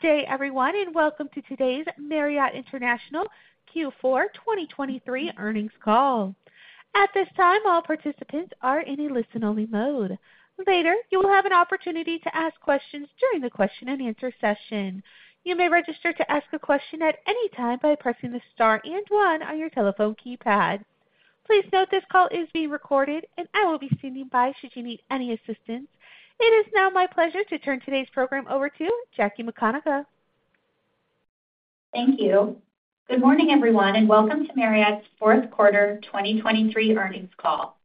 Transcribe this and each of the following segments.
Good day, everyone, and welcome to today's Marriott International Q4 2023 earnings call. At this time, all participants are in a listen-only mode. Later, you will have an opportunity to ask questions during the question-and-answer session. You may register to ask a question at any time by pressing the star and one on your telephone keypad. Please note, this call is being recorded, and I will be standing by should you need any assistance. It is now my pleasure to turn today's program over to Jackie McConagha. Thank you. Good morning, everyone, and welcome to Marriott's fourth quarter 2023 earnings call.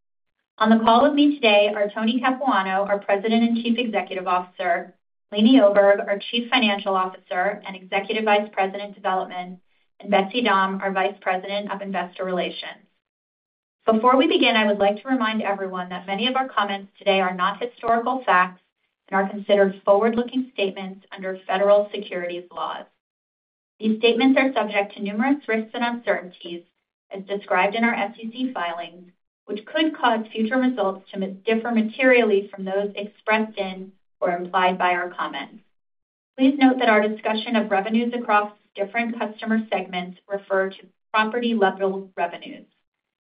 On the call with me today are Tony Capuano, our President and Chief Executive Officer, Leeny Oberg, our Chief Financial Officer and Executive Vice President, Development, and Betsy Dahm, our Vice President of Investor Relations. Before we begin, I would like to remind everyone that many of our comments today are not historical facts and are considered forward-looking statements under federal securities laws. These statements are subject to numerous risks and uncertainties, as described in our SEC filings, which could cause future results to differ materially from those expressed in or implied by our comments. Please note that our discussion of revenues across different customer segments refer to property-level revenues.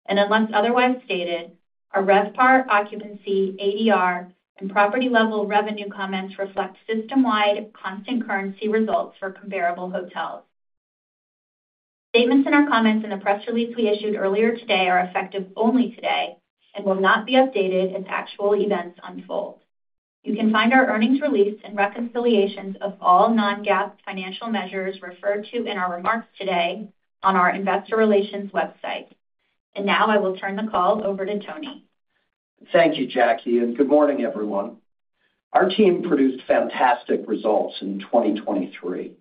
Unless otherwise stated, our RevPAR, occupancy, ADR, and property-level revenue comments reflect system-wide constant currency results for comparable hotels. Statements in our comments in the press release we issued earlier today are effective only today and will not be updated as actual events unfold. You can find our earnings release and reconciliations of all non-GAAP financial measures referred to in our remarks today on our investor relations website. Now I will turn the call over to Tony. Thank you, Jackie, and good morning, everyone. Our team produced fantastic results in 2023.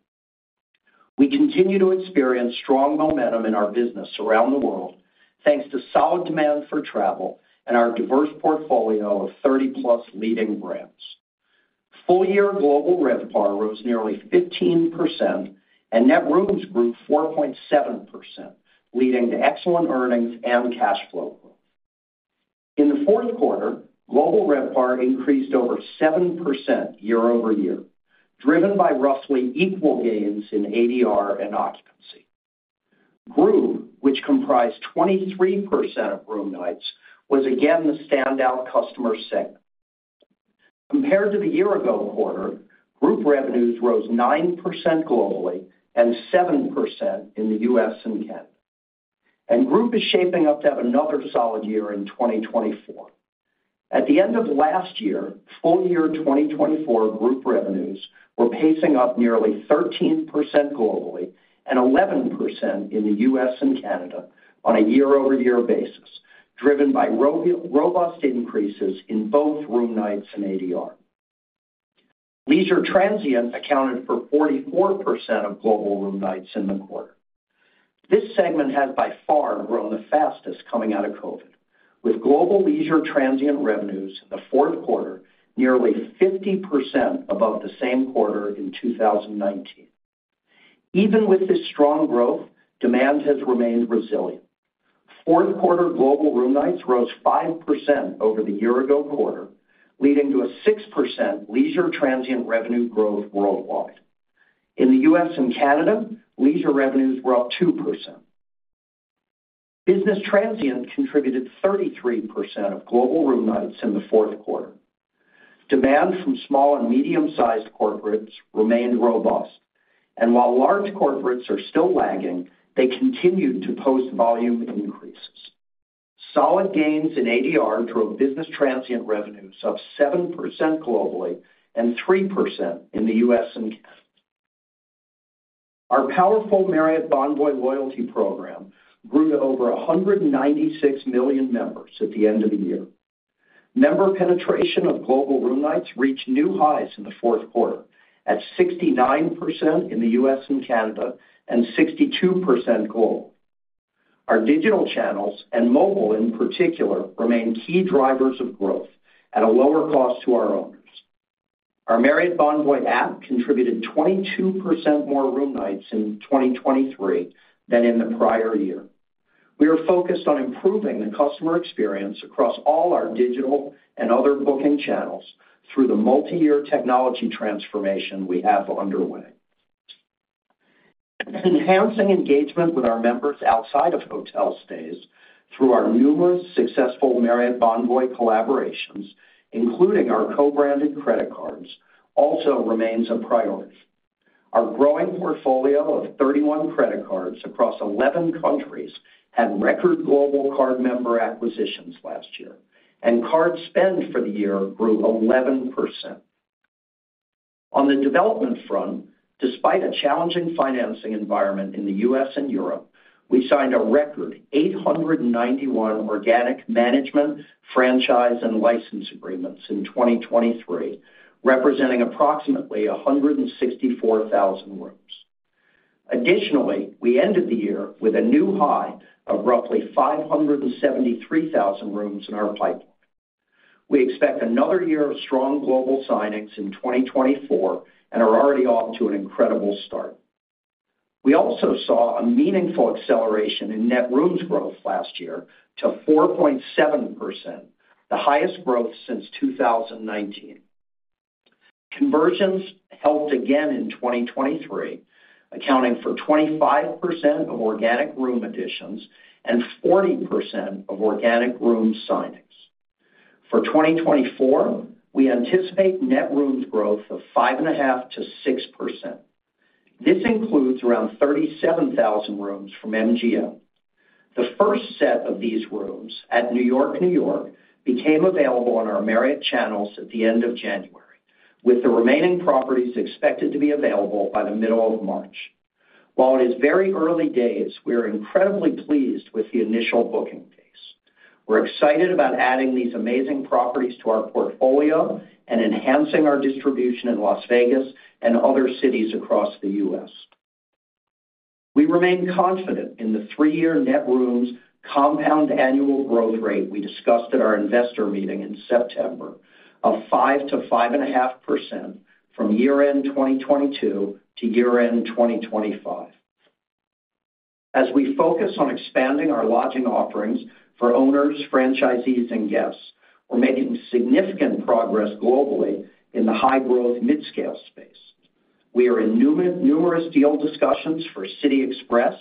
We continue to experience strong momentum in our business around the world, thanks to solid demand for travel and our diverse portfolio of 30+ leading brands. Full-year global RevPAR rose nearly 15%, and net rooms grew 4.7%, leading to excellent earnings and cash flow. In the fourth quarter, global RevPAR increased over 7% year-over-year, driven by roughly equal gains in ADR and occupancy. Group, which comprised 23% of room nights, was again the standout customer segment. Compared to the year-ago quarter, group revenues rose 9% globally and 7% in the U.S. and Canada. Group is shaping up to have another solid year in 2024. At the end of last year, full-year 2024 group revenues were pacing up nearly 13% globally and 11% in the U.S. and Canada on a year-over-year basis, driven by robust increases in both room nights and ADR. Leisure transient accounted for 44% of global room nights in the quarter. This segment has, by far, grown the fastest coming out of COVID, with global leisure transient revenues in the fourth quarter nearly 50% above the same quarter in 2019. Even with this strong growth, demand has remained resilient. Fourth quarter global room nights rose 5% over the year-ago quarter, leading to a 6% leisure transient revenue growth worldwide. In the U.S. and Canada, leisure revenues were up 2%. Business transient contributed 33% of global room nights in the fourth quarter. Demand from small and medium-sized corporates remained robust, and while large corporates are still lagging, they continued to post volume increases. Solid gains in ADR drove business transient revenues up 7% globally and 3% in the U.S. and Canada. Our powerful Marriott Bonvoy loyalty program grew to over 196 million members at the end of the year. Member penetration of global room nights reached new highs in the fourth quarter at 69% in the U.S. and Canada and 62% global. Our digital channels, and mobile in particular, remain key drivers of growth at a lower cost to our owners. Our Marriott Bonvoy app contributed 22% more room nights in 2023 than in the prior year. We are focused on improving the customer experience across all our digital and other booking channels through the multi-year technology transformation we have underway. Enhancing engagement with our members outside of hotel stays through our numerous successful Marriott Bonvoy collaborations, including our co-branded credit cards, also remains a priority. Our growing portfolio of 31 credit cards across 11 countries had record global card member acquisitions last year, and card spend for the year grew 11%. On the development front, despite a challenging financing environment in the U.S. and Europe, we signed a record 891 organic management, franchise, and license agreements in 2023, representing approximately 164,000 rooms. Additionally, we ended the year with a new high of roughly 573,000 rooms in our pipeline. We expect another year of strong global signings in 2024 and are already off to an incredible start.... We also saw a meaningful acceleration in net rooms growth last year to 4.7%, the highest growth since 2019. Conversions helped again in 2023, accounting for 25% of organic room additions and 40% of organic room signings. For 2024, we anticipate net rooms growth of 5.5%-6%. This includes around 37,000 rooms from MGM. The first set of these rooms at New York-New York became available on our Marriott channels at the end of January, with the remaining properties expected to be available by the middle of March. While it is very early days, we are incredibly pleased with the initial booking pace. We're excited about adding these amazing properties to our portfolio and enhancing our distribution in Las Vegas and other cities across the U.S. We remain confident in the three-year net rooms compound annual growth rate we discussed at our investor meeting in September, of 5%-5.5% from year-end 2022 to year-end 2025. As we focus on expanding our lodging offerings for owners, franchisees, and guests, we're making significant progress globally in the high-growth midscale space. We are in numerous deal discussions for City Express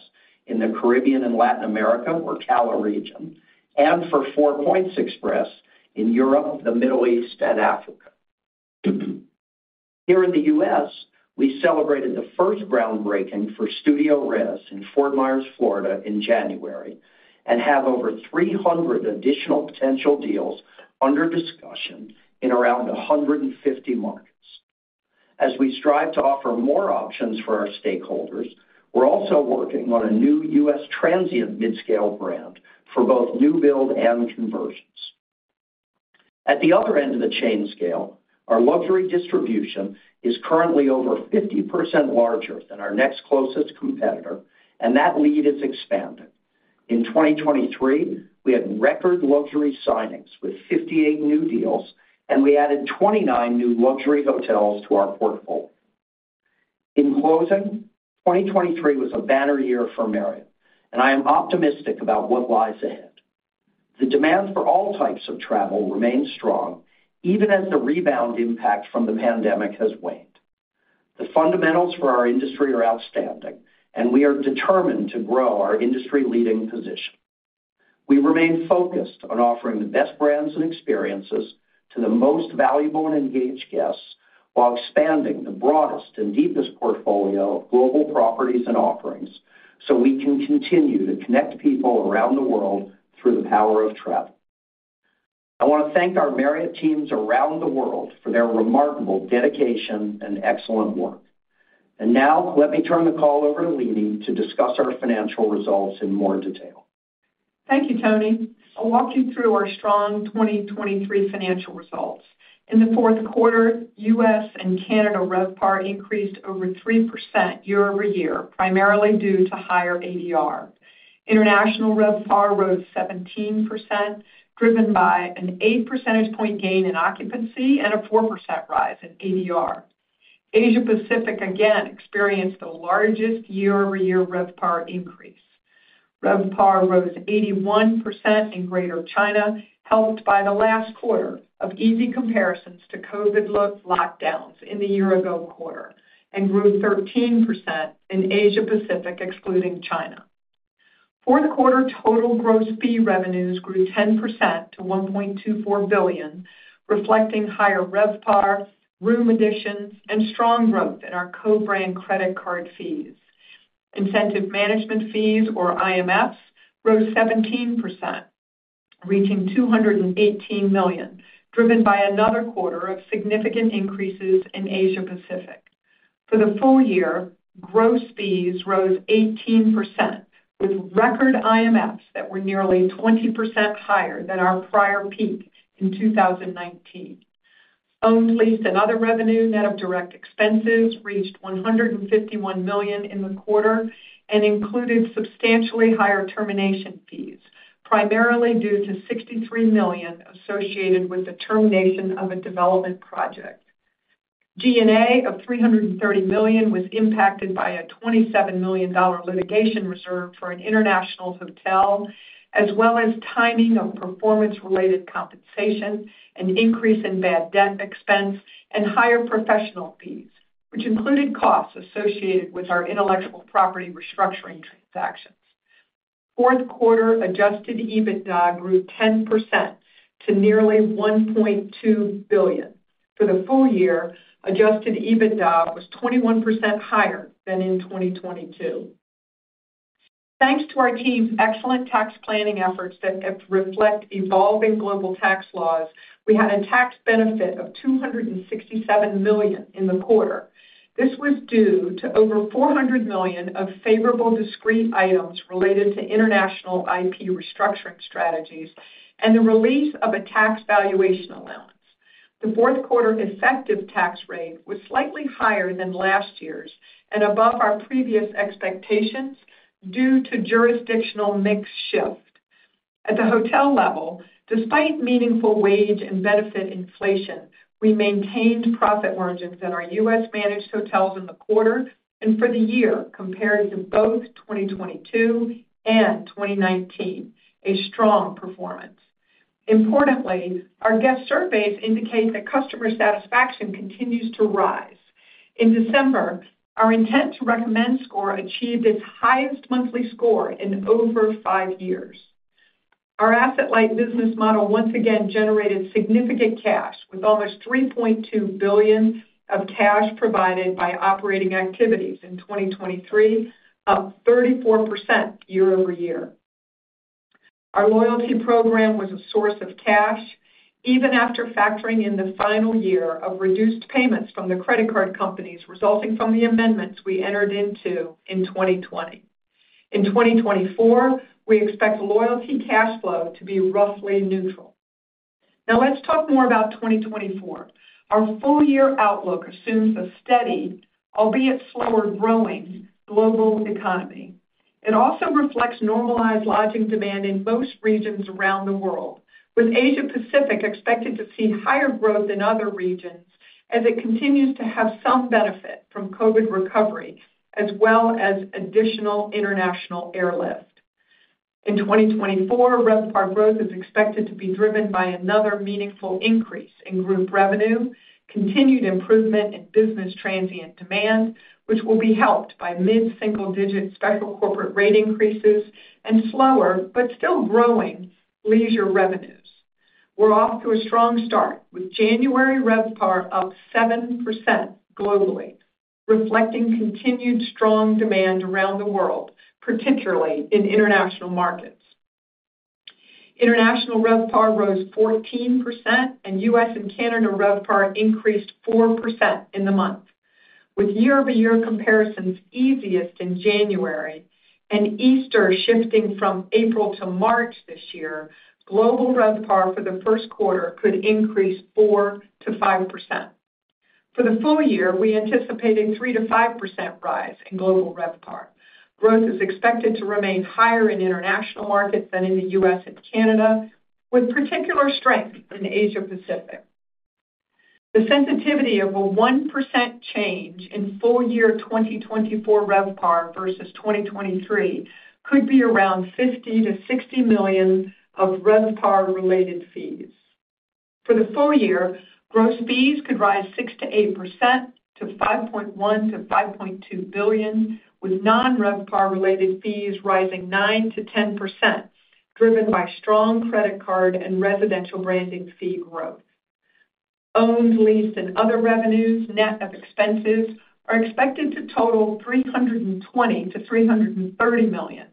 in the Caribbean and Latin America, or CALA region, and for Four Points Express in Europe, the Middle East, and Africa. Here in the U.S., we celebrated the first groundbreaking for StudioRes in Fort Myers, Florida, in January, and have over 300 additional potential deals under discussion in around 150 markets. As we strive to offer more options for our stakeholders, we're also working on a new U.S. transient midscale brand for both new build and conversions. At the other end of the chain scale, our luxury distribution is currently over 50% larger than our next closest competitor, and that lead is expanding. In 2023, we had record luxury signings with 58 new deals, and we added 29 new luxury hotels to our portfolio. In closing, 2023 was a banner year for Marriott, and I am optimistic about what lies ahead. The demand for all types of travel remains strong, even as the rebound impact from the pandemic has waned. The fundamentals for our industry are outstanding, and we are determined to grow our industry-leading position. We remain focused on offering the best brands and experiences to the most valuable and engaged guests, while expanding the broadest and deepest portfolio of global properties and offerings, so we can continue to connect people around the world through the power of travel. I want to thank our Marriott teams around the world for their remarkable dedication and excellent work. And now, let me turn the call over to Leeny to discuss our financial results in more detail. Thank you, Tony. I'll walk you through our strong 2023 financial results. In the fourth quarter, U.S. and Canada RevPAR increased over 3% year-over-year, primarily due to higher ADR. International RevPAR rose 17%, driven by an 8 percentage point gain in occupancy and a 4% rise in ADR. Asia Pacific again experienced the largest year-over-year RevPAR increase. RevPAR rose 81% in Greater China, helped by the last quarter of easy comparisons to COVID-led lockdowns in the year-ago quarter, and grew 13% in Asia Pacific, excluding China. Fourth quarter total gross fee revenues grew 10% to $1.24 billion, reflecting higher RevPAR, room additions, and strong growth in our co-brand credit card fees. Incentive management fees, or IMFs, rose 17%, reaching $218 million, driven by another quarter of significant increases in Asia Pacific. For the full year, gross fees rose 18%, with record IMFs that were nearly 20% higher than our prior peak in 2019. Owned, leased, and other revenue, net of direct expenses, reached $151 million in the quarter and included substantially higher termination fees, primarily due to $63 million associated with the termination of a development project. G&A of $330 million was impacted by a $27 million dollar litigation reserve for an international hotel, as well as timing of performance-related compensation, an increase in bad debt expense, and higher professional fees, which included costs associated with our intellectual property restructuring transactions. Fourth quarter Adjusted EBITDA grew 10% to nearly $1.2 billion. For the full year, Adjusted EBITDA was 21% higher than in 2022. Thanks to our team's excellent tax planning efforts that reflect evolving global tax laws, we had a tax benefit of $267 million in the quarter. This was due to over $400 million of favorable discrete items related to international IP restructuring strategies and the release of a tax valuation allowance. The fourth quarter effective tax rate was slightly higher than last year's and above our previous expectations due to jurisdictional mix shift. At the hotel level, despite meaningful wage and benefit inflation, we maintained profit margins in our U.S. managed hotels in the quarter and for the year compared to both 2022 and 2019, a strong performance. Importantly, our guest surveys indicate that customer satisfaction continues to rise. In December, our intent to recommend score achieved its highest monthly score in over five years. Our asset-light business model once again generated significant cash, with almost $3.2 billion of cash provided by operating activities in 2023, up 34% year-over-year. Our loyalty program was a source of cash, even after factoring in the final year of reduced payments from the credit card companies resulting from the amendments we entered into in 2020. In 2024, we expect loyalty cash flow to be roughly neutral. Now let's talk more about 2024. Our full year outlook assumes a steady, albeit slower growing, global economy. It also reflects normalized lodging demand in most regions around the world, with Asia Pacific expected to see higher growth than other regions as it continues to have some benefit from COVID recovery, as well as additional international airlift. In 2024, RevPAR growth is expected to be driven by another meaningful increase in group revenue, continued improvement in business transient demand, which will be helped by mid-single digit special corporate rate increases, and slower but still growing leisure revenues. We're off to a strong start, with January RevPAR up 7% globally, reflecting continued strong demand around the world, particularly in international markets. International RevPAR rose 14%, and U.S. and Canada RevPAR increased 4% in the month. With year-over-year comparisons easiest in January and Easter shifting from April to March this year, global RevPAR for the first quarter could increase 4%-5%. For the full year, we anticipate a 3%-5% rise in global RevPAR. Growth is expected to remain higher in international markets than in the U.S. and Canada, with particular strength in Asia Pacific. The sensitivity of a 1% change in full year 2024 RevPAR versus 2023 could be around $50 million-$60 million of RevPAR-related fees. For the full year, gross fees could rise 6%-8% to $5.1 billion-$5.2 billion, with non-RevPAR-related fees rising 9%-10%, driven by strong credit card and residential branding fee growth. Owned, leased and other revenues, net of expenses, are expected to total $320 million-$330 million,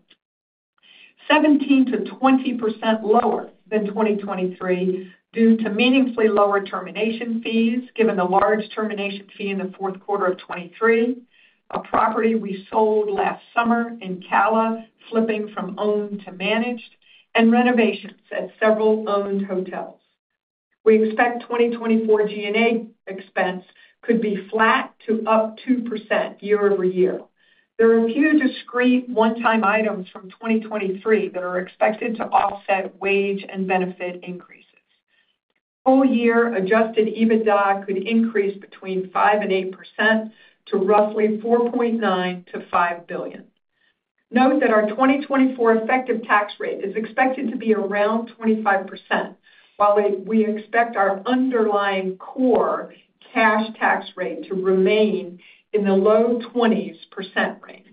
17%-20% lower than 2023 due to meaningfully lower termination fees, given the large termination fee in the fourth quarter of 2023, a property we sold last summer in CALA, flipping from owned to managed, and renovations at several owned hotels. We expect 2024 G&A expense could be flat to up 2% year-over-year. There are a few discrete one-time items from 2023 that are expected to offset wage and benefit increases. Full year Adjusted EBITDA could increase between 5% and 8% to roughly $4.9 billion-$5 billion. Note that our 2024 effective tax rate is expected to be around 25%, while we expect our underlying core cash tax rate to remain in the low 20s% range.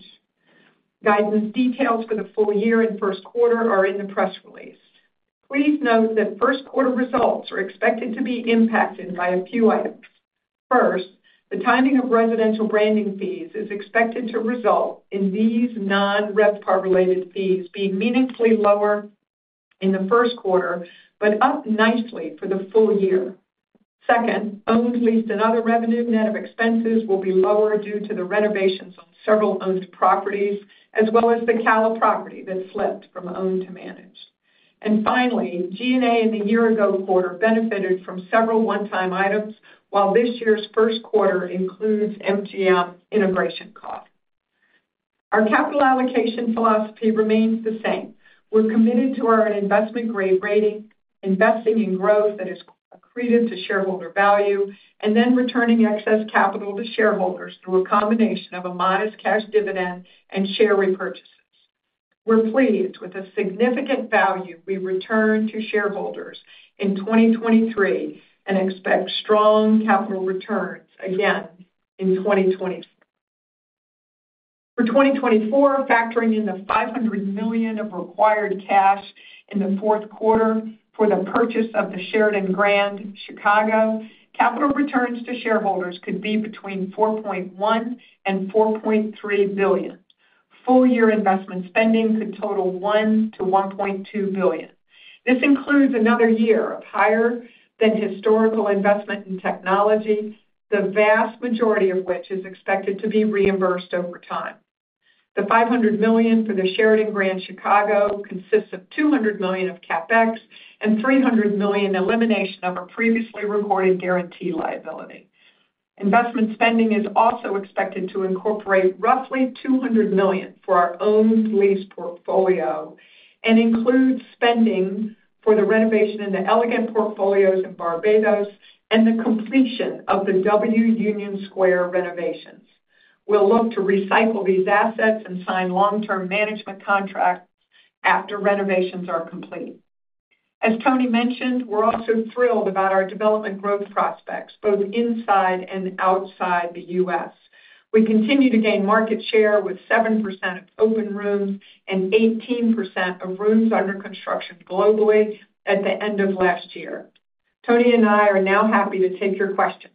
Guidance details for the full year and first quarter are in the press release. Please note that first quarter results are expected to be impacted by a few items. First, the timing of residential branding fees is expected to result in these non-RevPAR related fees being meaningfully lower in the first quarter, but up nicely for the full year. Second, owned, leased and other revenue net of expenses will be lower due to the renovations on several owned properties, as well as the CALA property that flipped from owned to managed. And finally, G&A in the year-ago quarter benefited from several one-time items, while this year's first quarter includes MGM integration costs. Our capital allocation philosophy remains the same. We're committed to our investment-grade rating, investing in growth that is accretive to shareholder value, and then returning excess capital to shareholders through a combination of a modest cash dividend and share repurchases. We're pleased with the significant value we returned to shareholders in 2023 and expect strong capital returns again in 2024. For 2024, factoring in the $500 million of required cash in the fourth quarter for the purchase of the Sheraton Grand Chicago, capital returns to shareholders could be between $4.1 billion and $4.3 billion. Full-year investment spending could total $1 billion-$1.2 billion. This includes another year of higher than historical investment in technology, the vast majority of which is expected to be reimbursed over time. The $500 million for the Sheraton Grand Chicago consists of $200 million of CapEx and $300 million elimination of a previously recorded guarantee liability. Investment spending is also expected to incorporate roughly $200 million for our owned lease portfolio and includes spending for the renovation in the Elegant portfolios in Barbados and the completion of the W Union Square renovations. We'll look to recycle these assets and sign long-term management contracts after renovations are complete. As Tony mentioned, we're also thrilled about our development growth prospects, both inside and outside the U.S. We continue to gain market share with 7% of open rooms and 18% of rooms under construction globally at the end of last year. Tony and I are now happy to take your questions.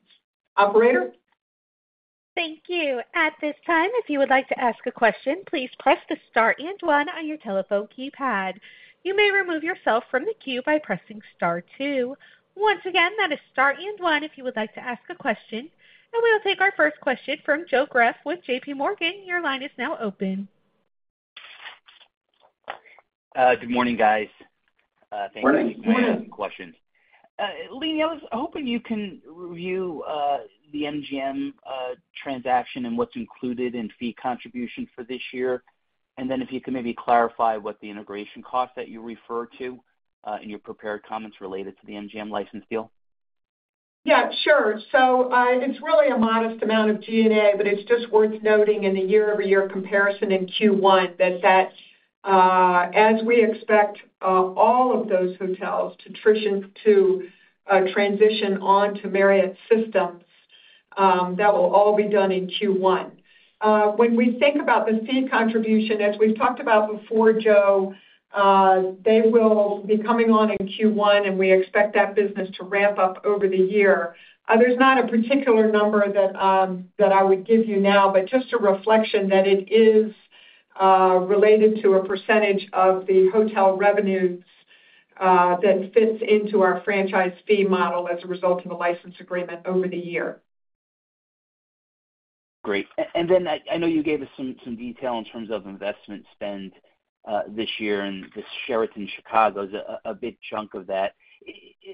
Operator? Thank you. At this time, if you would like to ask a question, please press the star and one on your telephone keypad. You may remove yourself from the queue by pressing star two. Once again, that is star and one if you would like to ask a question. We will take our first question from Joe Greff with J.P. Morgan. Your line is now open. Good morning, guys. Good morning. Thanks. I have some questions. Leeny, I was hoping you can review the MGM transaction and what's included in fee contribution for this year. And then if you can maybe clarify what the integration costs that you refer to in your prepared comments related to the MGM license deal. Yeah, sure. So, it's really a modest amount of G&A, but it's just worth noting in the year-over-year comparison in Q1 that that, as we expect, all of those hotels to transition on to Marriott's systems, that will all be done in Q1. When we think about the fee contribution, as we've talked about before, Joe, they will be coming on in Q1, and we expect that business to ramp up over the year. There's not a particular number that that I would give you now, but just a reflection that it is related to a percentage of the hotel revenues, that fits into our franchise fee model as a result of a license agreement over the year. Great. And then I know you gave us some detail in terms of investment spend this year, and the Sheraton Chicago is a big chunk of that.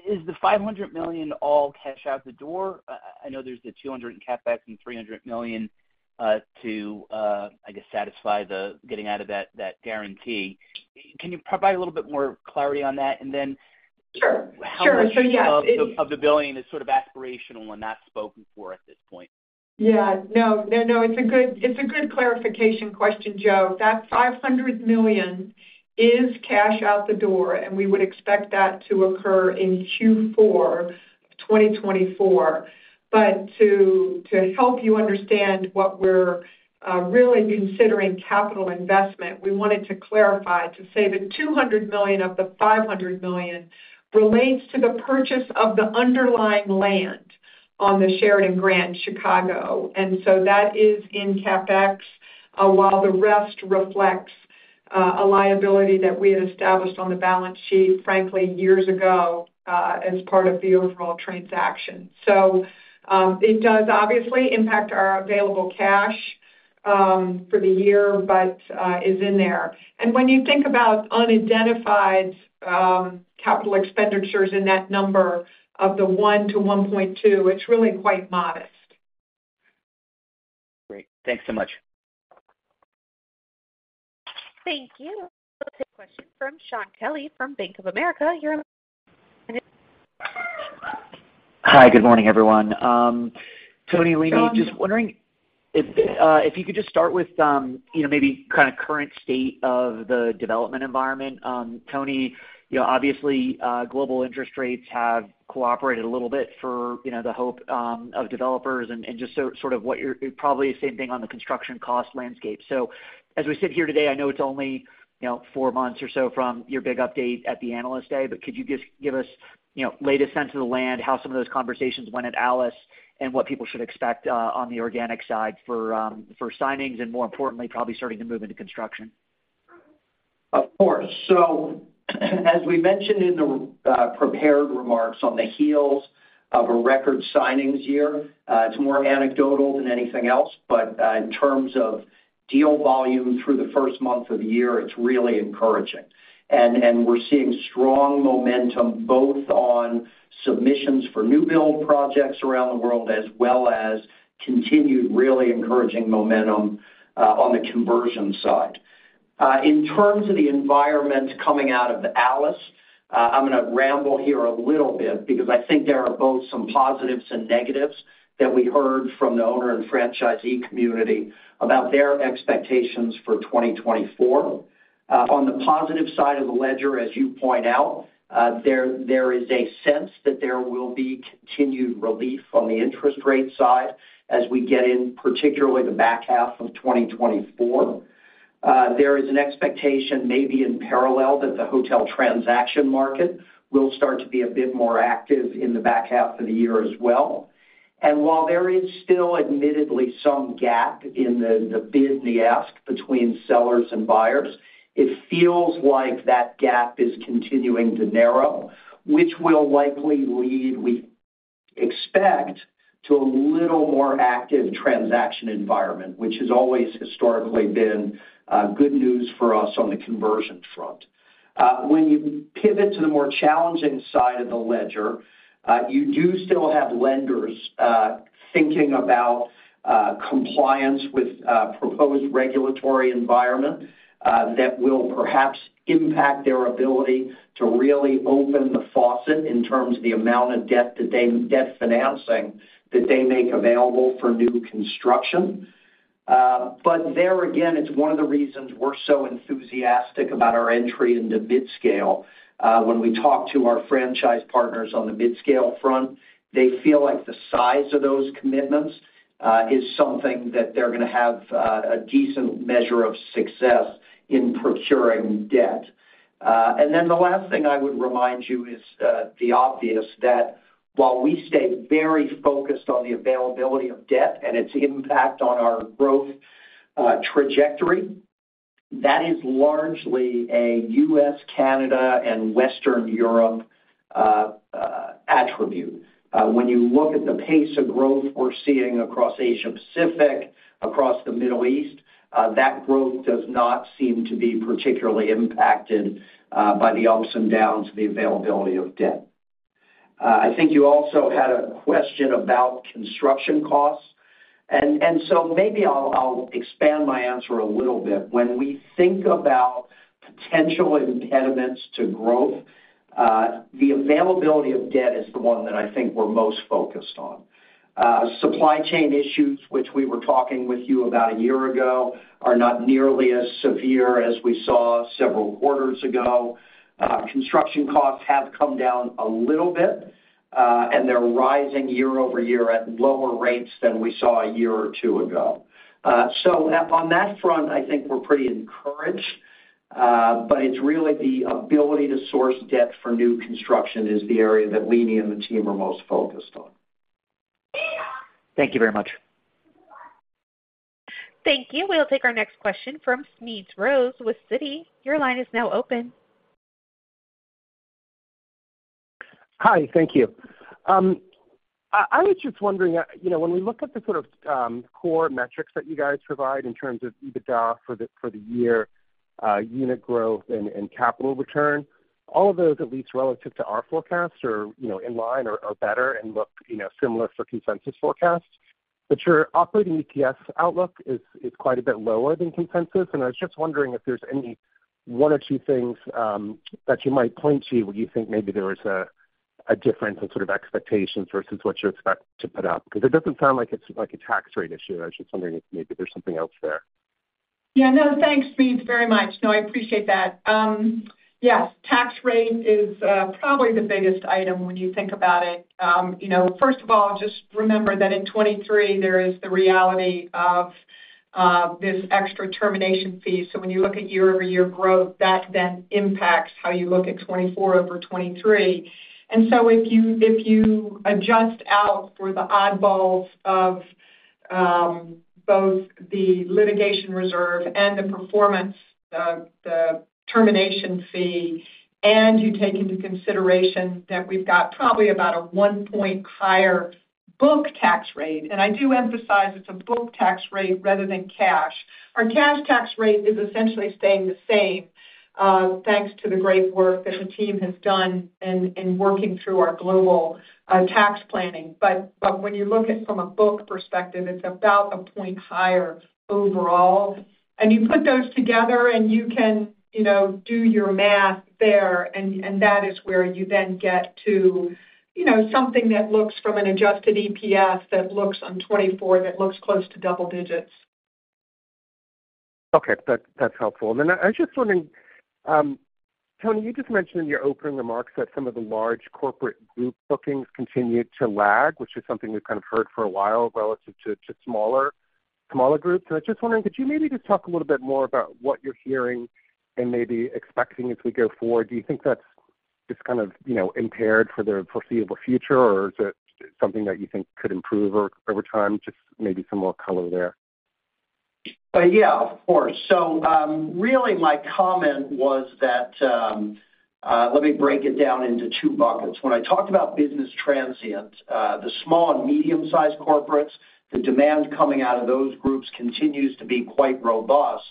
Is the $500 million all cash out the door? I know there's the $200 in CapEx and $300 million to I guess satisfy the getting out of that guarantee. Can you provide a little bit more clarity on that? And then- Sure. Sure, so, yes. How much of the $1 billion is sort of aspirational and not spoken for at this point? Yeah. No, no, no, it's a good, it's a good clarification question, Joe. That $500 million is cash out the door, and we would expect that to occur in Q4 of 2024. But to, to help you understand what we're really considering capital investment, we wanted to clarify to say the $200 million of the $500 million relates to the purchase of the underlying land on the Sheraton Grand Chicago. And so that is in CapEx while the rest reflects a liability that we had established on the balance sheet, frankly, years ago as part of the overall transaction. So it does obviously impact our available cash for the year, but is in there. And when you think about unidentified capital expenditures in that number of the $1 billion-$1.2 billion, it's really quite modest. Great. Thanks so much. Thank you. We'll take a question from Shaun Kelley from Bank of America. Your line is open. Hi, good morning, everyone. Tony and Leeny. Sean. Just wondering if you could just start with, you know, maybe kind of current state of the development environment. Tony, you know, obviously, global interest rates have cooperated a little bit for, you know, the hope of developers and, and just sort of what you're probably the same thing on the construction cost landscape. So as we sit here today, I know it's only, you know, four months or so from your big update at the Analyst Day, but could you just give us, you know, latest sense of the land, how some of those conversations went at ALIS, and what people should expect on the organic side for signings and, more importantly, probably starting to move into construction? Of course. So as we mentioned in the prepared remarks on the heels of a record signings year, it's more anecdotal than anything else, but in terms of deal volume through the first month of the year, it's really encouraging. And we're seeing strong momentum both on submissions for new build projects around the world, as well as continued really encouraging momentum on the conversion side. In terms of the environment coming out of ALIS, I'm gonna ramble here a little bit because I think there are both some positives and negatives that we heard from the owner and franchisee community about their expectations for 2024. On the positive side of the ledger, as you point out, there is a sense that there will be continued relief on the interest rate side as we get in, particularly the back half of 2024. There is an expectation, maybe in parallel, that the hotel transaction market will start to be a bit more active in the back half of the year as well. And while there is still admittedly some gap in the bid, the ask between sellers and buyers, it feels like that gap is continuing to narrow, which will likely lead we expect to a little more active transaction environment, which has always historically been good news for us on the conversion front. When you pivot to the more challenging side of the ledger, you do still have lenders thinking about compliance with proposed regulatory environment that will perhaps impact their ability to really open the faucet in terms of the amount of debt financing that they make available for new construction. But there again, it's one of the reasons we're so enthusiastic about our entry into midscale. When we talk to our franchise partners on the midscale front, they feel like the size of those commitments is something that they're gonna have a decent measure of success in procuring debt. And then the last thing I would remind you is, the obvious, that while we stay very focused on the availability of debt and its impact on our growth, trajectory, that is largely a U.S., Canada, and Western Europe, attribute. When you look at the pace of growth we're seeing across Asia Pacific, across the Middle East, that growth does not seem to be particularly impacted, by the ups and downs of the availability of debt. I think you also had a question about construction costs, and so maybe I'll expand my answer a little bit. When we think about potential impediments to growth, the availability of debt is the one that I think we're most focused on. Supply chain issues, which we were talking with you about a year ago, are not nearly as severe as we saw several quarters ago. Construction costs have come down a little bit, and they're rising year-over-year at lower rates than we saw a year or two ago. So on that front, I think we're pretty encouraged, but it's really the ability to source debt for new construction is the area that we and the team are most focused on. Thank you very much. Thank you. We'll take our next question from Smedes Rose with Citi. Your line is now open. Hi, thank you. I was just wondering, you know, when we look at the sort of core metrics that you guys provide in terms of EBITDA for the year, unit growth and capital return, all of those, at least relative to our forecasts, are, you know, in line or better and look, you know, similar for consensus forecasts. But your operating EPS outlook is quite a bit lower than consensus, and I was just wondering if there's any one or two things that you might point to when you think maybe there is a difference in sort of expectations versus what you expect to put out. Because it doesn't sound like it's, like, a tax rate issue. I was just wondering if maybe there's something else there. Yeah, no, thanks, Smedes, very much. No, I appreciate that. Yes, tax rate is probably the biggest item when you think about it. You know, first of all, just remember that in 2023, there is the reality of this extra termination fee. So when you look at year-over-year growth, that then impacts how you look at 2024 over 2023. And so if you, if you adjust out for the oddballs of both the litigation reserve and the performance, the termination fee, and you take into consideration that we've got probably about a one point higher book tax rate, and I do emphasize it's a book tax rate rather than cash. Our cash tax rate is essentially staying the same, thanks to the great work that the team has done in working through our global tax planning. But when you look at it from a book perspective, it's about a point higher overall. And you put those together, and you can, you know, do your math there, and that is where you then get to, you know, something that looks from an Adjusted EPS, that looks on 2024, that looks close to double digits. Okay. That's helpful. And then I was just wondering, Tony, you just mentioned in your opening remarks that some of the large corporate group bookings continued to lag, which is something we've kind of heard for a while, relative to smaller groups. And I was just wondering, could you maybe just talk a little bit more about what you're hearing and maybe expecting as we go forward? Do you think that's just kind of, you know, impaired for the foreseeable future, or is it something that you think could improve over time? Just maybe some more color there. Yeah, of course. So, really, my comment was that, let me break it down into two buckets. When I talked about business transient, the small and medium-sized corporates, the demand coming out of those groups continues to be quite robust.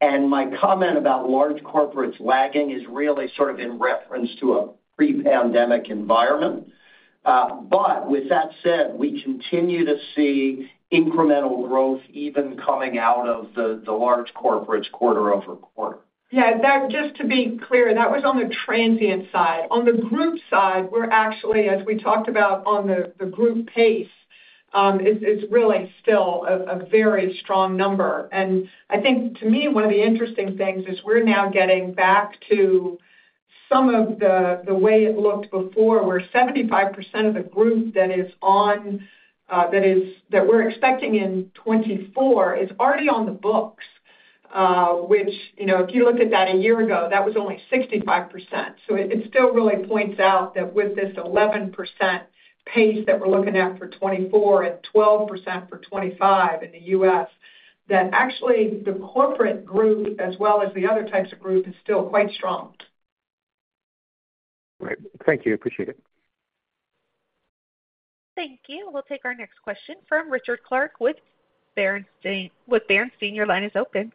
And my comment about large corporates lagging is really sort of in reference to a pre-pandemic environment. But with that said, we continue to see incremental growth even coming out of the large corporates quarter-over-quarter. Yeah, that, just to be clear, that was on the transient side. On the group side, we're actually, as we talked about on the group pace, it's really still a very strong number. And I think to me, one of the interesting things is we're now getting back to some of the way it looked before, where 75% of the group that we're expecting in 2024 is already on the books. Which, you know, if you looked at that a year ago, that was only 65%. So it still really points out that with this 11% pace that we're looking at for 2024 and 12% for 2025 in the U.S. that actually the corporate group, as well as the other types of group, is still quite strong. Great. Thank you. Appreciate it. Thank you. We'll take our next question from Richard Clarke with Bernstein. With Bernstein, your line is open.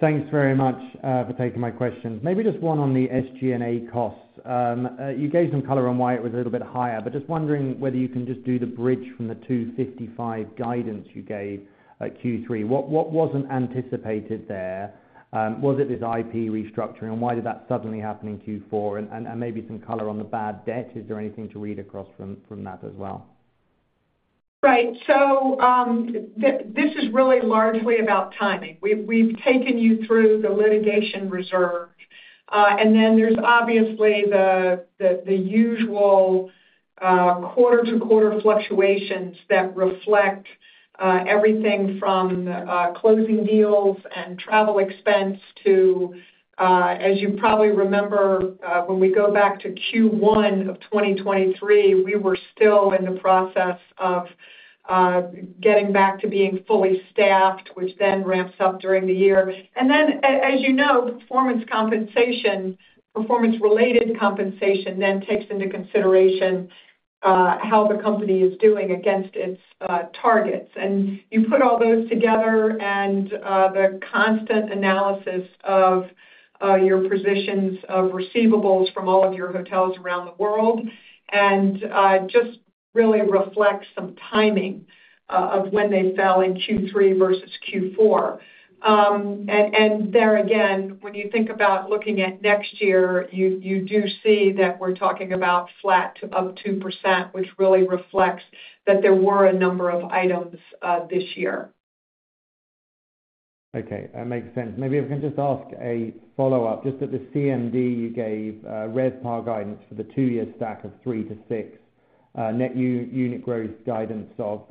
Thanks very much for taking my question. Maybe just one on the SG&A costs. You gave some color on why it was a little bit higher, but just wondering whether you can just do the bridge from the $255 guidance you gave at Q3. What wasn't anticipated there? Was it this IP restructuring, and why did that suddenly happen in Q4? And maybe some color on the bad debt. Is there anything to read across from that as well? Right. So, this is really largely about timing. We've taken you through the litigation reserve, and then there's obviously the usual quarter-to-quarter fluctuations that reflect everything from closing deals and travel expense to, as you probably remember, when we go back to Q1 of 2023, we were still in the process of getting back to being fully staffed, which then ramps up during the year. And then as you know, performance compensation, performance-related compensation then takes into consideration how the company is doing against its targets. And you put all those together and the constant analysis of your positions of receivables from all of your hotels around the world, and just really reflects some timing of when they fell in Q3 versus Q4. And there again, when you think about looking at next year, you do see that we're talking about flat to up 2%, which really reflects that there were a number of items this year. Okay, that makes sense. Maybe I can just ask a follow-up. Just at the CMD, you gave RevPAR guidance for the two-year stack of thre to six net unit growth guidance of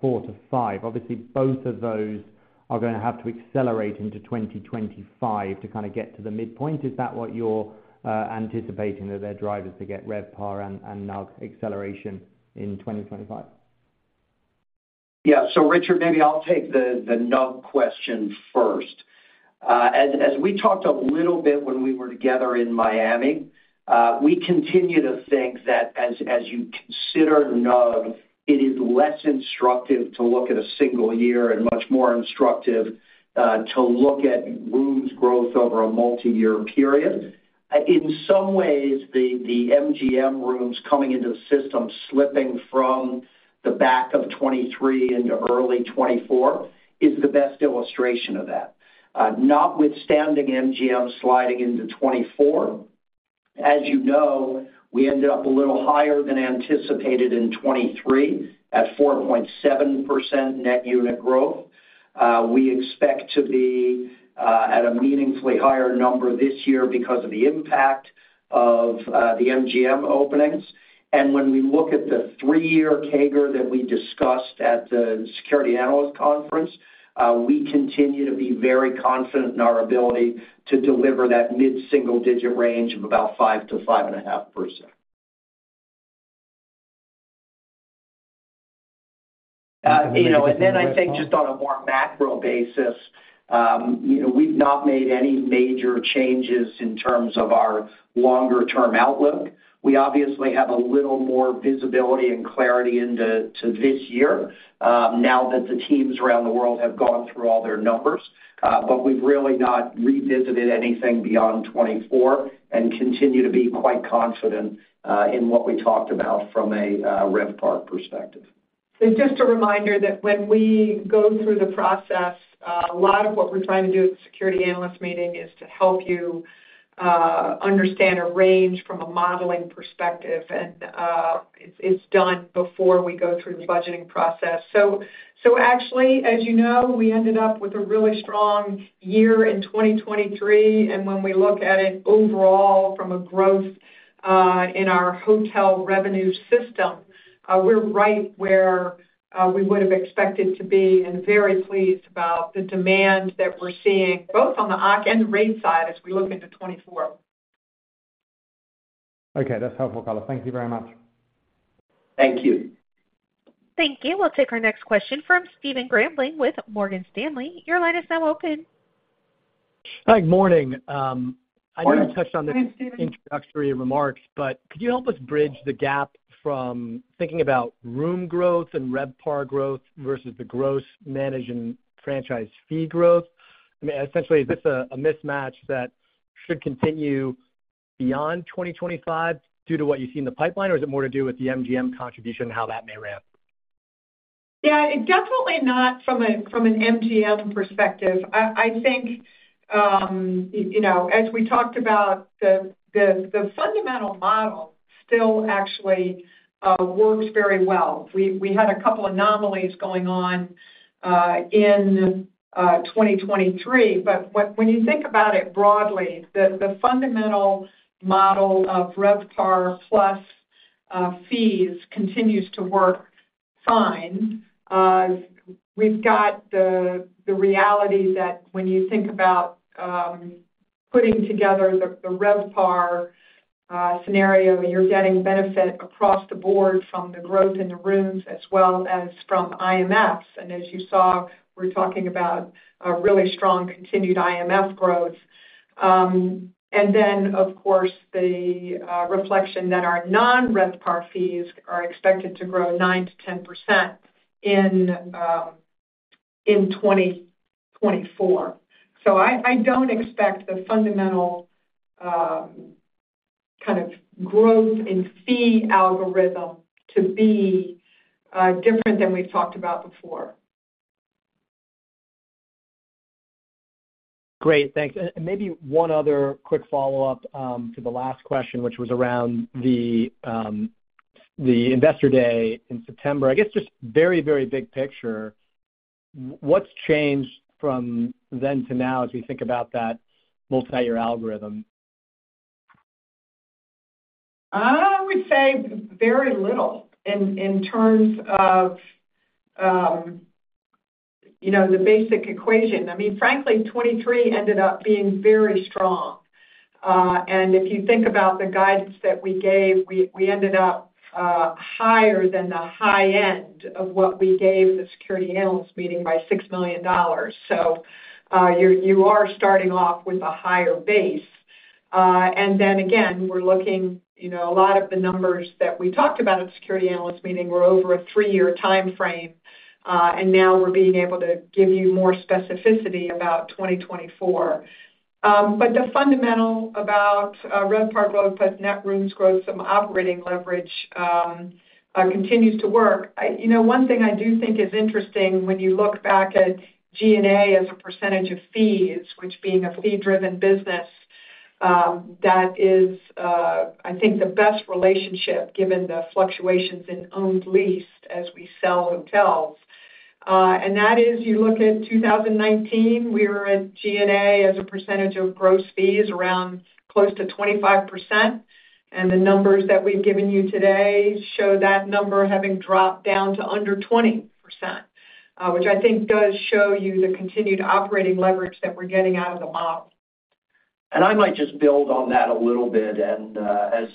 four to five. Obviously, both of those are gonna have to accelerate into 2025 to kind of get to the midpoint. Is that what you're anticipating that their drivers to get RevPAR and and NUG acceleration in 2025? Yeah. So Richard, maybe I'll take the NUG question first. As we talked a little bit when we were together in Miami, we continue to think that as you consider NUG, it is less instructive to look at a single year and much more instructive to look at rooms growth over a multiyear period. In some ways, the MGM rooms coming into the system, slipping from the back of 2023 into early 2024, is the best illustration of that. Notwithstanding MGM sliding into 2024, as you know, we ended up a little higher than anticipated in 2023, at 4.7% net unit growth. We expect to be at a meaningfully higher number this year because of the impact of the MGM openings. When we look at the three-year CAGR that we discussed at the Securities Analyst Conference, we continue to be very confident in our ability to deliver that mid-single digit range of about 5%-5.5%. You know, and then I think just on a more macro basis, you know, we've not made any major changes in terms of our longer-term outlook. We obviously have a little more visibility and clarity into this year, now that the teams around the world have gone through all their numbers. But we've really not revisited anything beyond 2024 and continue to be quite confident in what we talked about from a RevPAR perspective. So just a reminder that when we go through the process, a lot of what we're trying to do at the Securities Analyst Meeting is to help you understand a range from a modeling perspective, and it's done before we go through the budgeting process. So actually, as you know, we ended up with a really strong year in 2023, and when we look at it overall from a growth in our hotel revenue system, we're right where we would have expected to be and very pleased about the demand that we're seeing, both on the occ and rate side as we look into 2024. Okay, that's helpful, color. Thank you very much. Thank you. Thank you. We'll take our next question from Stephen Grambling with Morgan Stanley. Your line is now open. Hi, morning. I know you touched on this- Hi, Stephen. Introductory remarks, but could you help us bridge the gap from thinking about room growth and RevPAR growth versus the gross managed and franchise fee growth? I mean, essentially, is this a mismatch that should continue beyond 2025 due to what you see in the pipeline? Or is it more to do with the MGM contribution and how that may ramp? Yeah, definitely not from an MGM perspective. I think, you know, as we talked about the fundamental model still actually works very well. We had a couple anomalies going on in 2023, but when you think about it broadly, the fundamental model of RevPAR plus fees continues to work fine. We've got the reality that when you think about putting together the RevPAR scenario, you're getting benefit across the board from the growth in the rooms as well as from IMFs. And as you saw, we're talking about a really strong continued IMF growth. And then, of course, the reflection that our non-RevPAR fees are expected to grow 9%-10% in 2024. So I don't expect the fundamental kind of growth in fee algorithm to be different than we've talked about before. Great, thanks. And, and maybe one other quick follow-up to the last question, which was around the investor day in September. I guess just very, very big picture, what's changed from then to now as we think about that multiyear algorithm? I would say very little in terms of, you know, the basic equation. I mean, frankly, 2023 ended up being very strong. And if you think about the guidance that we gave, we ended up higher than the high end of what we gave the Securities Analyst Meeting by $6 million. So, you are starting off with a higher base. And then again, we're looking, you know, a lot of the numbers that we talked about at the Securities Analyst Meeting were over a three-year timeframe, and now we're being able to give you more specificity about 2024. But the fundamental about RevPAR growth, plus net rooms growth, some operating leverage, continues to work. You know, one thing I do think is interesting when you look back at G&A as a percentage of fees, which being a fee-driven business, that is, I think the best relationship given the fluctuations in owned leased as we sell hotels, and that is, you look at 2019, we were at G&A as a percentage of gross fees, around close to 25%, and the numbers that we've given you today show that number having dropped down to under 20%, which I think does show you the continued operating leverage that we're getting out of the model. I might just build on that a little bit, and as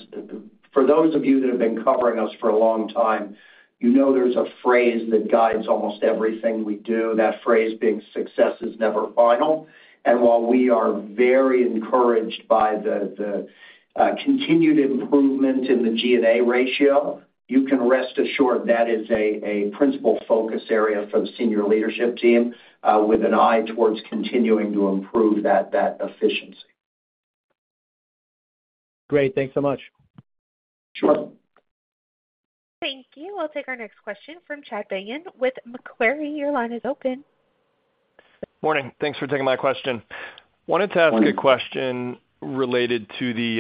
for those of you that have been covering us for a long time, you know there's a phrase that guides almost everything we do, and that phrase being, "Success is never final." While we are very encouraged by the continued improvement in the G&A ratio, you can rest assured that is a principal focus area for the senior leadership team, with an eye towards continuing to improve that efficiency. Great. Thanks so much. Sure. Thank you. We'll take our next question from Chad Beynon with Macquarie. Your line is open. Morning. Thanks for taking my question. Wanted to ask a question related to the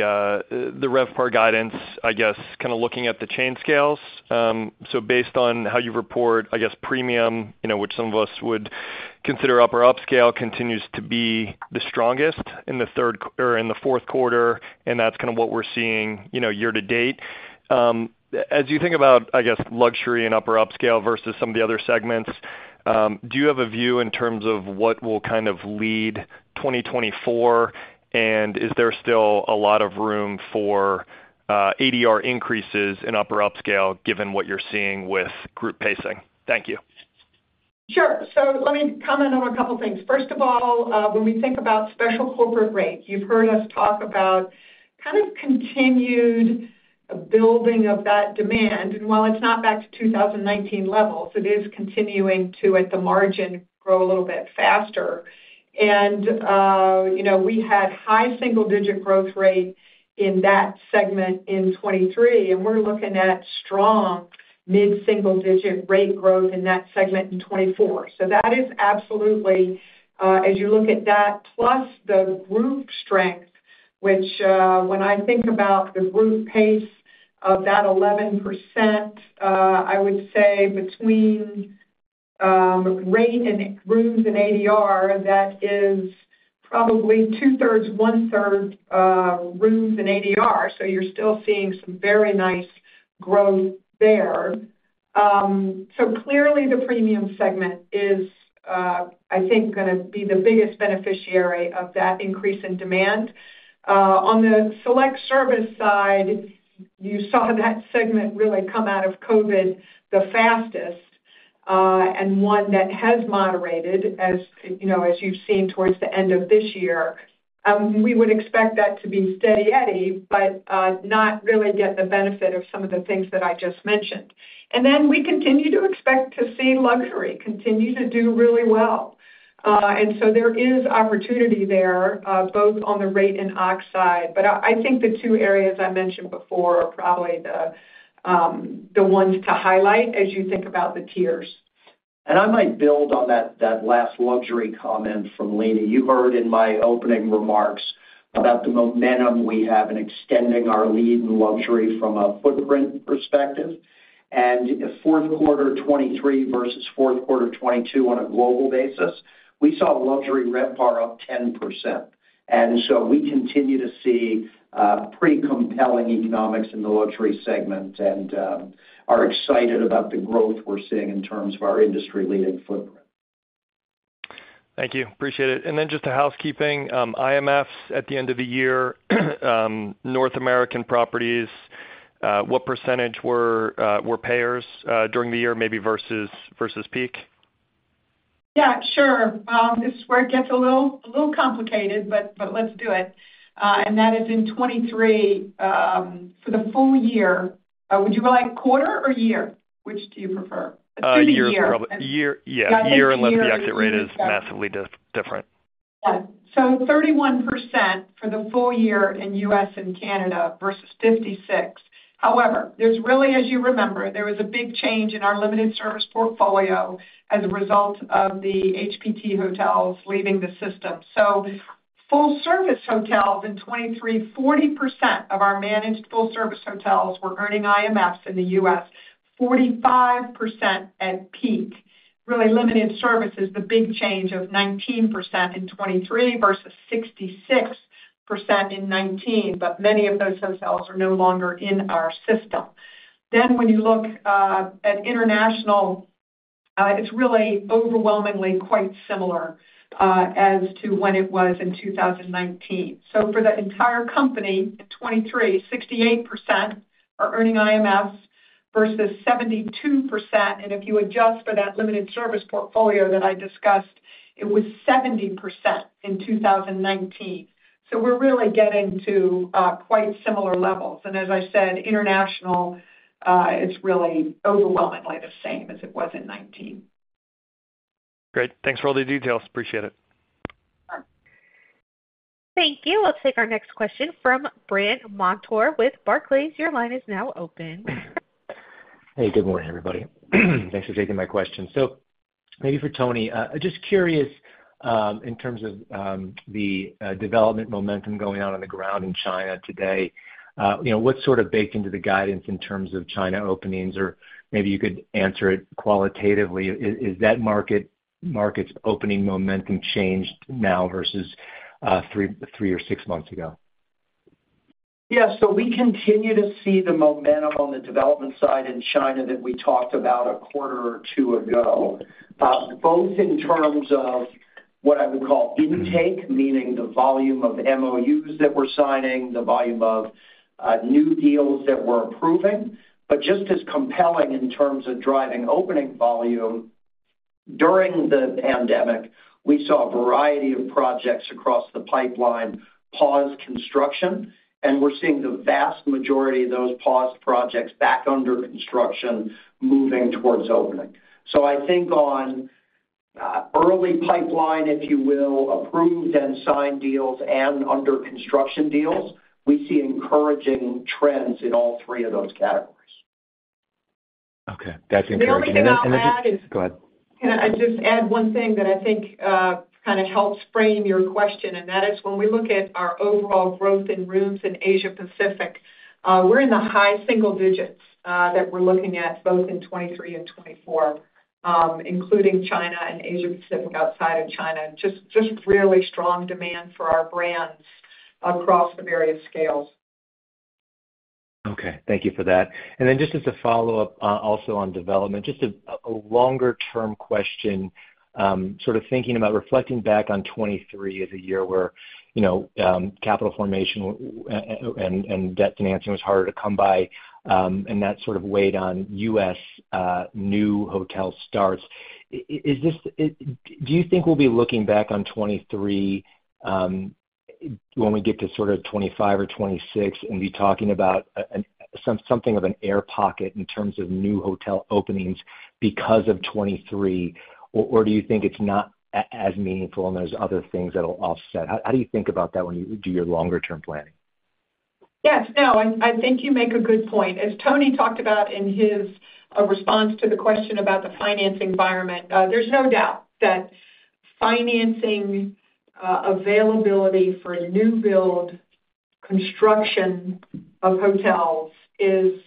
RevPAR guidance, I guess, kind of, looking at the chain scales. So based on how you report, I guess, premium, you know, which some of us would consider upper upscale, continues to be the strongest in the third or in the fourth quarter, and that's kind of what we're seeing, you know, year-to-date. As you think about, I guess, luxury and upper upscale versus some of the other segments, do you have a view in terms of what will kind of lead 2024? And is there still a lot of room for ADR increases in upper upscale, given what you're seeing with group pacing? Thank you. Sure. So let me comment on a couple of things. First of all, when we think about special corporate rates, you've heard us talk about kind of continued building of that demand. And while it's not back to 2019 levels, it is continuing to, at the margin, grow a little bit faster. And, you know, we had high single-digit growth rate in that segment in 2023, and we're looking at strong mid-single digit rate growth in that segment in 2024. So that is absolutely, as you look at that, plus the group strength, which, when I think about the group pace of that 11%, I would say between, rate and rooms and ADR, that is probably two-thirds, one-third, rooms and ADR, so you're still seeing some very nice growth there. So clearly, the premium segment is, I think, going to be the biggest beneficiary of that increase in demand. On the select-service side, you saw that segment really come out of COVID the fastest, and one that has moderated, as, you know, as you've seen towards the end of this year. We would expect that to be steady Eddie, but not really get the benefit of some of the things that I just mentioned. And then we continue to expect to see luxury continue to do really well. And so there is opportunity there, both on the rate and occupancy side. But I, I think the two areas I mentioned before are probably the, the ones to highlight as you think about the tiers. I might build on that last luxury comment from Leeny. You heard in my opening remarks about the momentum we have in extending our lead in luxury from a footprint perspective. Fourth quarter 2023 versus fourth quarter 2022 on a global basis, we saw luxury RevPAR up 10%. So we continue to see pretty compelling economics in the luxury segment and are excited about the growth we're seeing in terms of our industry-leading footprint. Thank you. Appreciate it. And then just a housekeeping, IMFs at the end of the year, North American properties, what percentage were payers during the year, maybe versus peak? Yeah, sure. This is where it gets a little complicated, but let's do it. And that is in 2023, for the full year. Would you like quarter or year? Which do you prefer? Year, probably. Year. Year, yeah. Year unless the exit rate is massively different. Yeah. So 31% for the full year in U.S. and Canada versus 56%. However, there's really, as you remember, there was a big change in our limited service portfolio as a result of the HPT hotels leaving the system. So full service hotels in 2023, 40% of our managed full service hotels were earning IMFs in the U.S., 45% at peak. Really, limited service is the big change of 19% in 2023 versus 66% in 2019, but many of those hotels are no longer in our system. Then when you look at international, it's really overwhelmingly quite similar as to when it was in 2019. So for the entire company, in 2023, 68% are earning IMFs versus 72%. If you adjust for that limited service portfolio that I discussed, it was 70% in 2019. So we're really getting to quite similar levels. As I said, international, it's really overwhelmingly the same as it was in 2019. Great. Thanks for all the details. Appreciate it. Thank you. We'll take our next question from Brandt Montour with Barclays. Your line is now open. Hey, good morning, everybody. Thanks for taking my question. So maybe for Tony, just curious, in terms of the development momentum going on on the ground in China today. You know, what's sort of baked into the guidance in terms of China openings? Or maybe you could answer it qualitatively. Is that market's opening momentum changed now versus three or six months ago? Yeah, so we continue to see the momentum on the development side in China that we talked about a quarter or two ago, both in terms of what I would call intake, meaning the volume of MOUs that we're signing, the volume of new deals that we're approving. But just as compelling in terms of driving opening volume, during the pandemic, we saw a variety of projects across the pipeline pause construction, and we're seeing the vast majority of those paused projects back under construction, moving towards opening. So I think on early pipeline, if you will, approved and signed deals and under construction deals, we see encouraging trends in all three of those categories. Okay. That's encouraging. The only thing I'll add is- Go ahead. Can I just add one thing that I think kind of helps frame your question, and that is when we look at our overall growth in rooms in Asia Pacific, we're in the high single digits that we're looking at, both in 2023 and 2024, including China and Asia Pacific outside of China. Just really strong demand for our brands across the various scales. Okay, thank you for that. And then just as a follow-up, also on development, just a longer-term question, sort of thinking about reflecting back on 2023 as a year where, you know, capital formation and debt financing was harder to come by, and that sort of weighed on U.S. new hotel starts. Is this... Do you think we'll be looking back on 2023, when we get to sort of 2025 or 2026 and be talking about something of an air pocket in terms of new hotel openings because of 2023? Or do you think it's not as meaningful and there's other things that will offset? How do you think about that when you do your longer-term planning? Yes. No, I think you make a good point. As Tony talked about in his response to the question about the financing environment, there's no doubt that financing availability for new build construction of hotels is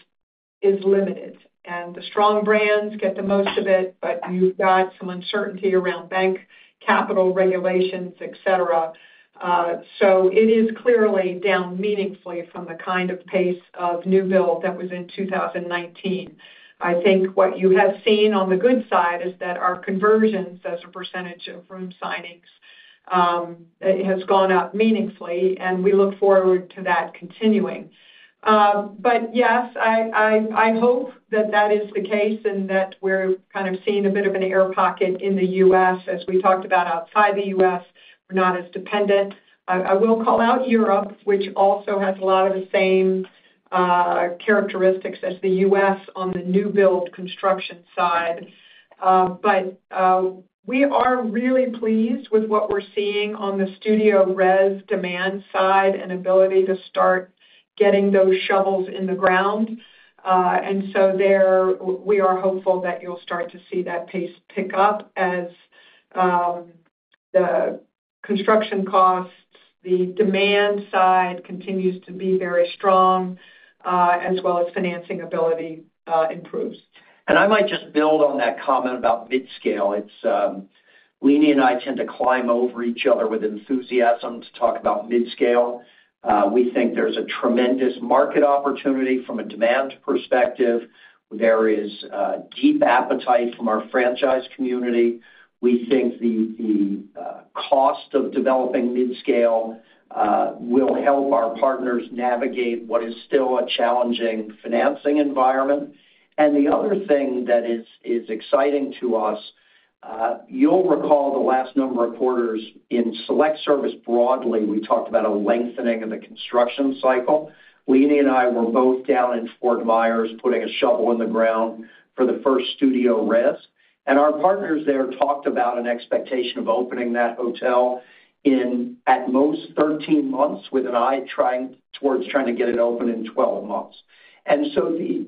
limited, and the strong brands get the most of it, but you've got some uncertainty around bank capital regulations, et cetera. So it is clearly down meaningfully from the kind of pace of new build that was in 2019. I think what you have seen on the good side is that our conversions as a percentage of room signings has gone up meaningfully, and we look forward to that continuing. But yes, I hope that that is the case and that we're kind of seeing a bit of an air pocket in the U.S., as we talked about. Outside the U.S., we're not as dependent. I will call out Europe, which also has a lot of the same characteristics as the U.S. on the new build construction side. But we are really pleased with what we're seeing on the StudioRes demand side and ability to start getting those shovels in the ground. And so there, we are hopeful that you'll start to see that pace pick up as the construction costs, the demand side continues to be very strong, as well as financing ability improves. I might just build on that comment about midscale. It's, Leeny and I tend to climb over each other with enthusiasm to talk about midscale. We think there's a tremendous market opportunity from a demand perspective. There is, deep appetite from our franchise community. We think the cost of developing midscale will help our partners navigate what is still a challenging financing environment. And the other thing that is exciting to us, you'll recall the last number of quarters in select service broadly, we talked about a lengthening of the construction cycle. Leeny and I were both down in Fort Myers, putting a shovel in the ground for the first StudioRes. And our partners there talked about an expectation of opening that hotel in at most 13 months, with an eye towards trying to get it open in 12 months. And so the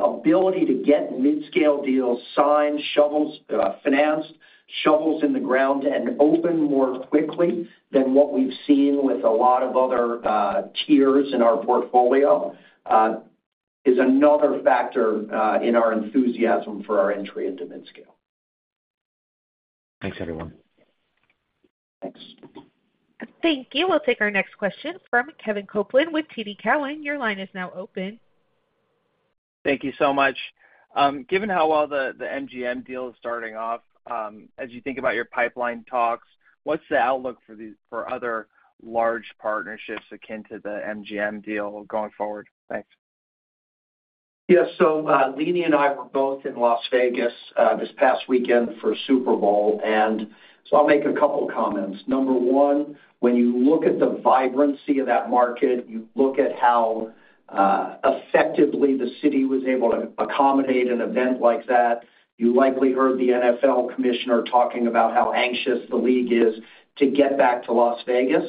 ability to get midscale deals signed, shovels, financed, shovels in the ground, and open more quickly than what we've seen with a lot of other, tiers in our portfolio, is another factor, in our enthusiasm for our entry into midscale. Thanks, everyone. Thanks. Thank you. We'll take our next question from Kevin Kopelman with TD Cowen. Your line is now open. Thank you so much. Given how well the MGM deal is starting off, as you think about your pipeline talks, what's the outlook for these for other large partnerships akin to the MGM deal going forward? Thanks. Yes. So, Leeny and I were both in Las Vegas, this past weekend for Super Bowl, and so I'll make a couple comments. Number one, when you look at the vibrancy of that market, you look at how, effectively the city was able to accommodate an event like that. You likely heard the NFL commissioner talking about how anxious the league is to get back to Las Vegas.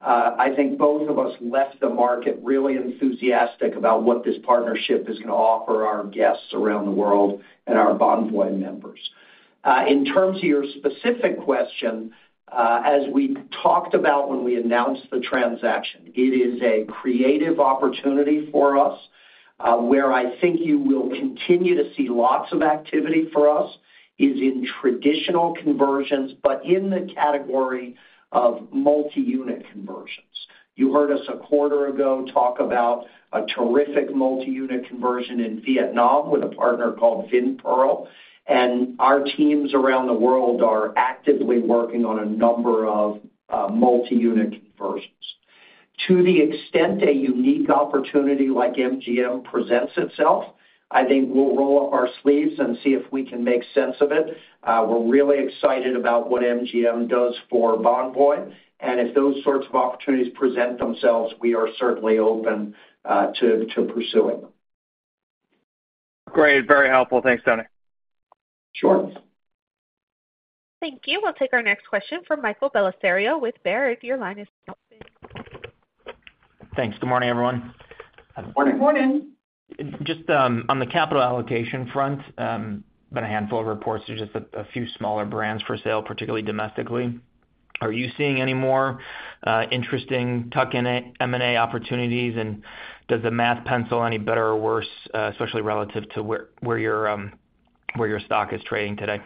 I think both of us left the market really enthusiastic about what this partnership is going to offer our guests around the world and our Bonvoy members. In terms of your specific question, as we talked about when we announced the transaction, it is a creative opportunity for us. Where I think you will continue to see lots of activity for us is in traditional conversions, but in the category of multi-unit conversions. You heard us a quarter ago talk about a terrific multi-unit conversion in Vietnam with a partner called Vinpearl, and our teams around the world are actively working on a number of multi-unit conversions. To the extent a unique opportunity like MGM presents itself, I think we'll roll up our sleeves and see if we can make sense of it. We're really excited about what MGM does for Bonvoy, and if those sorts of opportunities present themselves, we are certainly open to pursuing. Great. Very helpful. Thanks, Tony. Sure. Thank you. We'll take our next question from Michael Bellisario with Baird. Your line is now open. Thanks. Good morning, everyone. Good morning. Good morning. Just, on the capital allocation front, been a handful of reports to just a few smaller brands for sale, particularly domestically. Are you seeing any more interesting tuck-in, M&A opportunities? And does the math pencil any better or worse, especially relative to where your stock is trading today?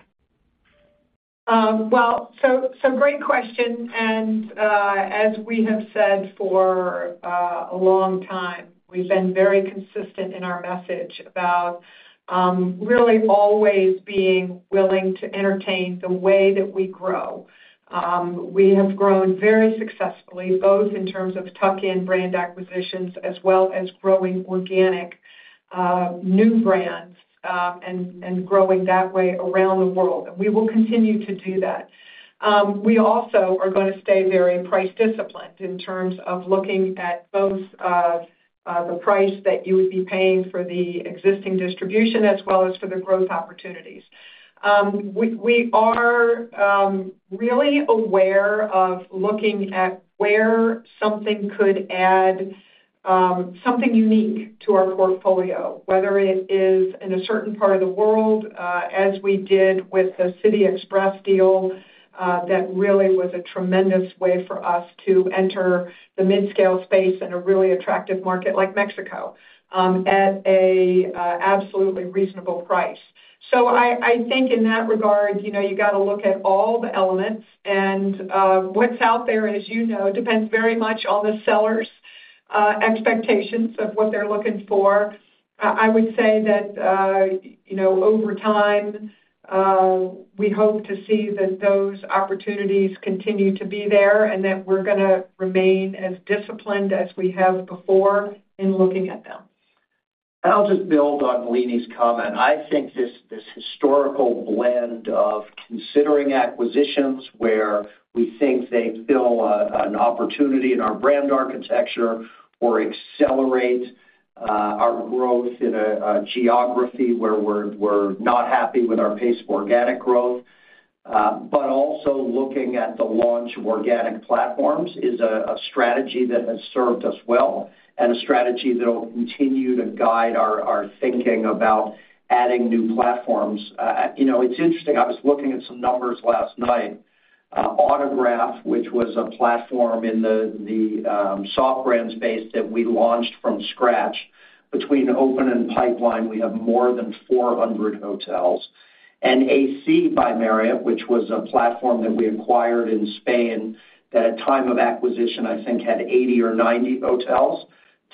Well, so, so great question, and, as we have said for a long time, we've been very consistent in our message about really always being willing to entertain the way that we grow. We have grown very successfully, both in terms of tuck-in brand acquisitions as well as growing organic new brands, and growing that way around the world. We will continue to do that. We also are going to stay very price disciplined in terms of looking at both the price that you would be paying for the existing distribution as well as for the growth opportunities. We are really aware of looking at where something could add something unique to our portfolio, whether it is in a certain part of the world, as we did with the City Express deal, that really was a tremendous way for us to enter the midscale space in a really attractive market like Mexico, at an absolutely reasonable price. So I think in that regard, you know, you got to look at all the elements and what's out there, as you know, depends very much on the sellers' expectations of what they're looking for. I would say that, you know, over time, we hope to see that those opportunities continue to be there, and that we're going to remain as disciplined as we have before in looking at them. I'll just build on Leeny's comment. I think this, this historical blend of considering acquisitions, where we think they fill, an opportunity in our brand architecture or accelerate, our growth in a, a geography where we're, we're not happy with our pace of organic growth, but also looking at the launch of organic platforms is a, a strategy that has served us well and a strategy that will continue to guide our, our thinking about adding new platforms. You know, it's interesting, I was looking at some numbers last night, Autograph, which was a platform in the, the, soft brand space that we launched from scratch. Between open and pipeline, we have more than 400 hotels. And AC by Marriott, which was a platform that we acquired in Spain, that at time of acquisition, I think, had 80 or 90 hotels.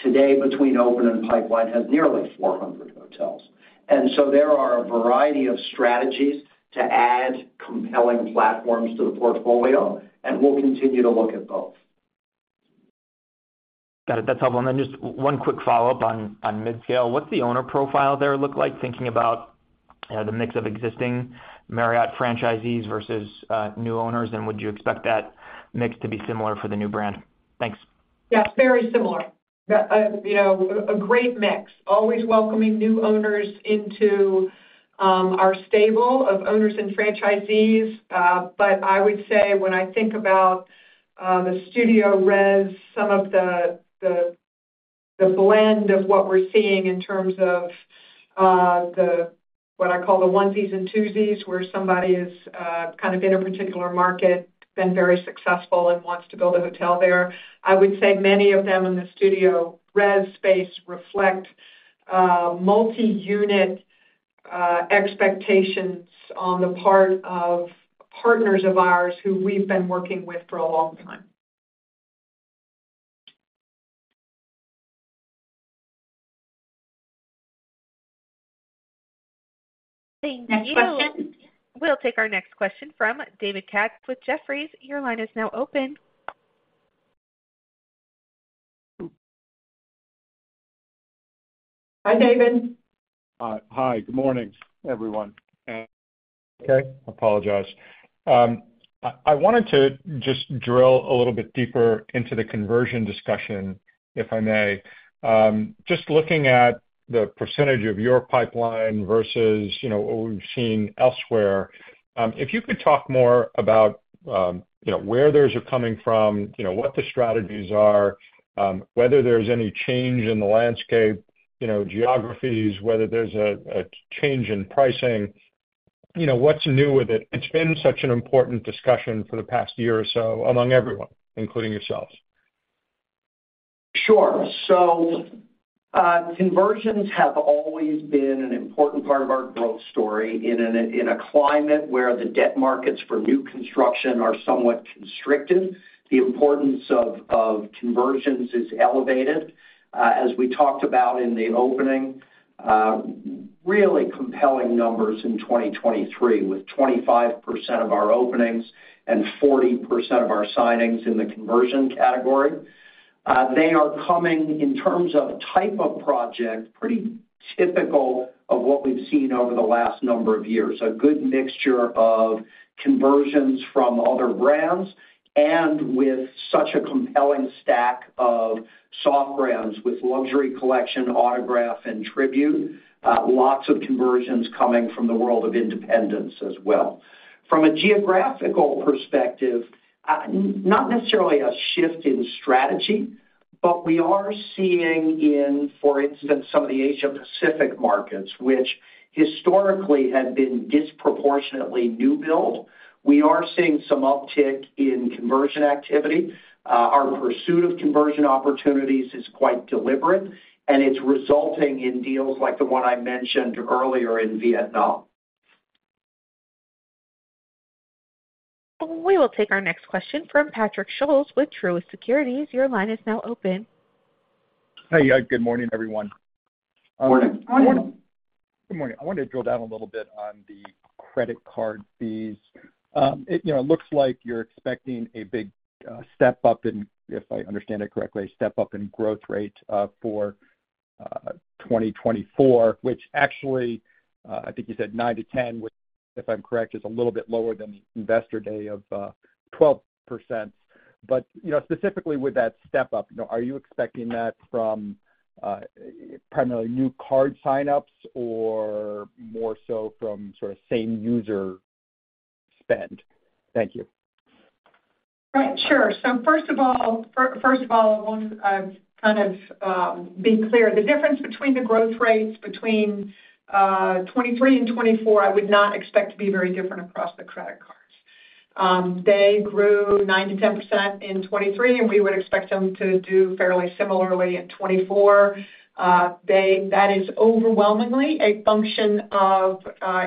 Today, between open and pipeline, has nearly 400 hotels. And so there are a variety of strategies to add compelling platforms to the portfolio, and we'll continue to look at both. Got it. That's helpful. And then just one quick follow-up on midscale. What's the owner profile there look like, thinking about the mix of existing Marriott franchisees versus new owners? And would you expect that mix to be similar for the new brand? Thanks. Yes, very similar. You know, a great mix. Always welcoming new owners into our stable of owners and franchisees. But I would say when I think about the StudioRes, some of the blend of what we're seeing in terms of what I call the onesies and twosies, where somebody is kind of in a particular market, been very successful and wants to build a hotel there. I would say many of them in the StudioRes space reflect multi-unit expectations on the part of partners of ours who we've been working with for a long time. Thank you. We'll take our next question from David Katz with Jefferies. Your line is now open. Hi, David. Hi. Good morning, everyone. Okay, apologize. I wanted to just drill a little bit deeper into the conversion discussion, if I may. Just looking at the percentage of your pipeline versus, you know, what we've seen elsewhere, if you could talk more about, you know, where those are coming from, you know, what the strategies are, whether there's any change in the landscape, you know, geographies, whether there's a change in pricing, you know, what's new with it? It's been such an important discussion for the past year or so among everyone, including yourselves. Sure. So, conversions have always been an important part of our growth story. In a climate where the debt markets for new construction are somewhat constricted, the importance of conversions is elevated. As we talked about in the opening, really compelling numbers in 2023, with 25% of our openings and 40% of our signings in the conversion category. They are coming in terms of type of project, pretty typical of what we've seen over the last number of years. A good mixture of conversions from other brands and with such a compelling stack of soft brands, with Luxury Collection, Autograph and Tribute, lots of conversions coming from the world of independents as well. From a geographical perspective, not necessarily a shift in strategy, but we are seeing in, for instance, some of the Asia Pacific markets, which historically had been disproportionately new build, we are seeing some uptick in conversion activity. Our pursuit of conversion opportunities is quite deliberate, and it's resulting in deals like the one I mentioned earlier in Vietnam. We will take our next question from Patrick Scholes with Truist Securities. Your line is now open. Hey, good morning, everyone. Morning. Morning. Good morning. I wanted to drill down a little bit on the credit card fees. It, you know, looks like you're expecting a big step-up in, if I understand it correctly, a step-up in growth rate for 2024, which actually I think you said 9%-10%, which, if I'm correct, is a little bit lower than the Investor Day of 12%. But, you know, specifically with that step up, are you expecting that from primarily new card sign-ups or more so from sort of same user spend? Thank you. Right. Sure. So first of all, I want to kind of be clear. The difference between the growth rates between 2023 and 2024, I would not expect to be very different across the credit cards. They grew 9%-10% in 2023, and we would expect them to do fairly similarly in 2024. That is overwhelmingly a function of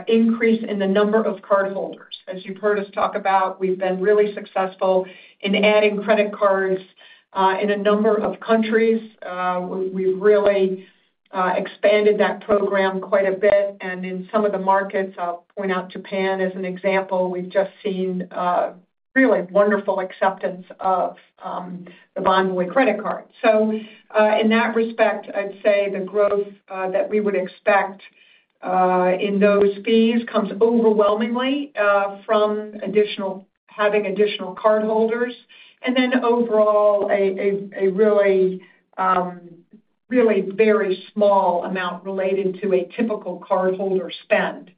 increase in the number of cardholders. As you've heard us talk about, we've been really successful in adding credit cards in a number of countries. We've really expanded that program quite a bit, and in some of the markets, I'll point out Japan as an example, we've just seen really wonderful acceptance of the Bonvoy credit card. So, in that respect, I'd say the growth that we would expect in those fees comes overwhelmingly from additional cardholders, and then overall, a really really very small amount related to a typical cardholder spend.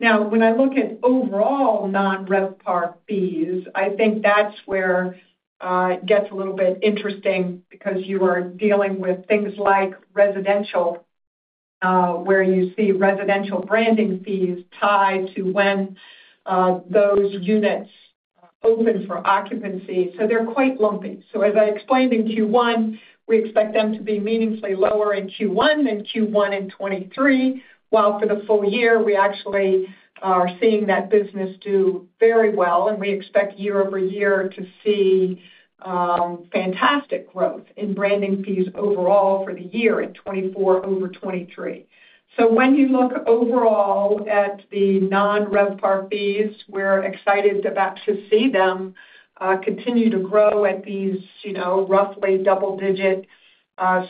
Now, when I look at overall non-RevPAR fees, I think that's where it gets a little bit interesting because you are dealing with things like residential where you see residential branding fees tied to when those units open for occupancy, so they're quite lumpy. So as I explained in Q1, we expect them to be meaningfully lower in Q1 than Q1 in 2023, while for the full year, we actually are seeing that business do very well, and we expect year-over-year to see fantastic growth in branding fees overall for the year in 2024 over 2023. So when you look overall at the non-RevPAR fees, we're excited to see them continue to grow at these, you know, roughly double-digit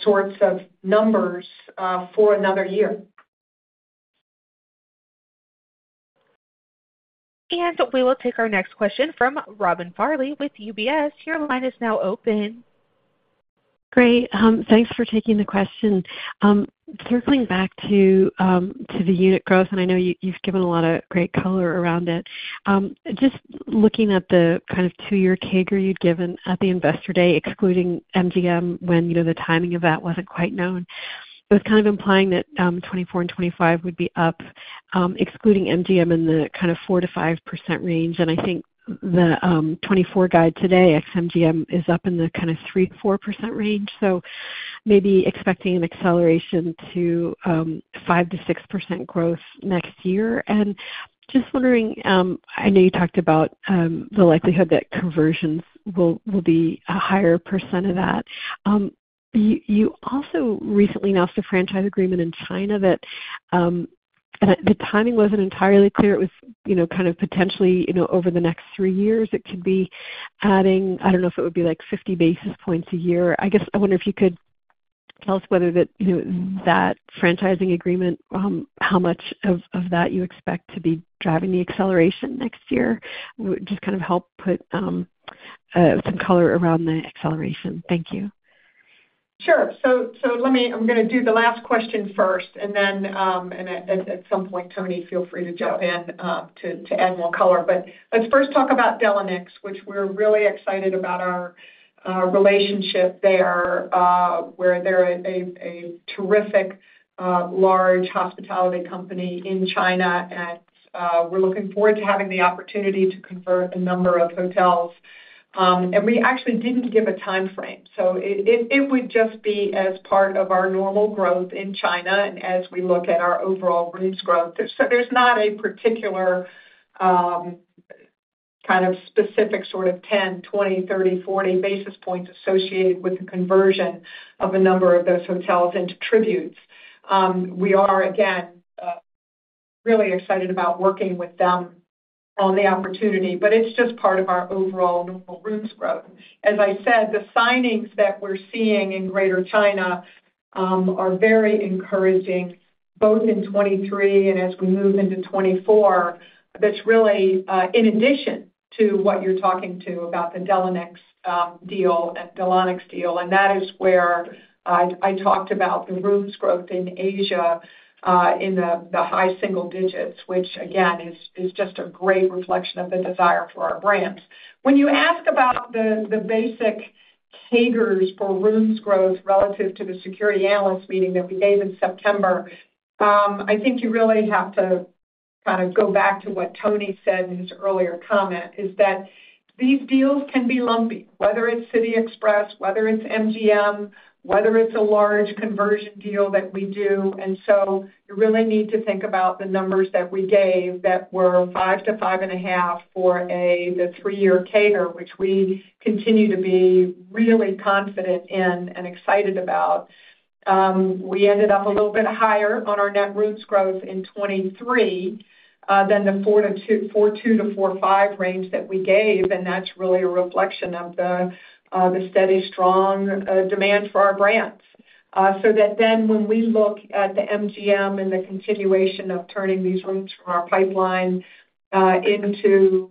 sorts of numbers for another year. And we will take our next question from Robin Farley with UBS. Your line is now open. Great. Thanks for taking the question. Circling back to the unit growth, and I know you, you've given a lot of great color around it. Just looking at the kind of two-year CAGR you'd given at the Investor Day, excluding MGM, when, you know, the timing of that wasn't quite known. It was kind of implying that 2024 and 2025 would be up, excluding MGM in the kind of 4%-5% range. And I think the 2024 guide today, ex MGM, is up in the kind of 3%-4% range, so maybe expecting an acceleration to 5%-6% growth next year. And just wondering, I know you talked about the likelihood that conversions will be a higher percent of that. You also recently announced a franchise agreement in China that the timing wasn't entirely clear. It was, you know, kind of potentially, you know, over the next three years, it could be adding... I don't know if it would be, like, 50 basis points a year. I guess, I wonder if you could tell us whether that, you know, that franchising agreement, how much of that you expect to be driving the acceleration next year? Would just kind of help put some color around the acceleration. Thank you. Sure. So let me, I'm going to do the last question first, and then, and at some point, Tony, feel free to jump in, to add more color. But let's first talk about Delonix, which we're really excited about our relationship there, where they're a terrific large hospitality company in China. And we're looking forward to having the opportunity to convert a number of hotels. And we actually didn't give a time frame, so it would just be as part of our normal growth in China and as we look at our overall rooms growth. So there's not a particular kind of specific sort of 10, 20, 30, 40 basis points associated with the conversion of a number of those hotels into Tributes. We are, again, really excited about working with them on the opportunity, but it's just part of our overall normal rooms growth. As I said, the signings that we're seeing in Greater China are very encouraging, both in 2023 and as we move into 2024. That's really in addition to what you're talking to about the Delonix deal, Delonix deal, and that is where I talked about the rooms growth in Asia in the high single digits, which again is just a great reflection of the desire for our brands. When you ask about the basic CAGRs for rooms growth relative to the Securities Analyst Meeting that we gave in September, I think you really have to kind of go back to what Tony said in his earlier comment, is that these deals can be lumpy, whether it's City Express, whether it's MGM, whether it's a large conversion deal that we do. And so you really need to think about the numbers that we gave that were five to 5.5 for the three-year CAGR, which we continue to be really confident in and excited about. We ended up a little bit higher on our net rooms growth in 2023 than the 4.2-4.5 range that we gave, and that's really a reflection of the steady, strong demand for our brands. So that then when we look at the MGM and the continuation of turning these rooms from our pipeline into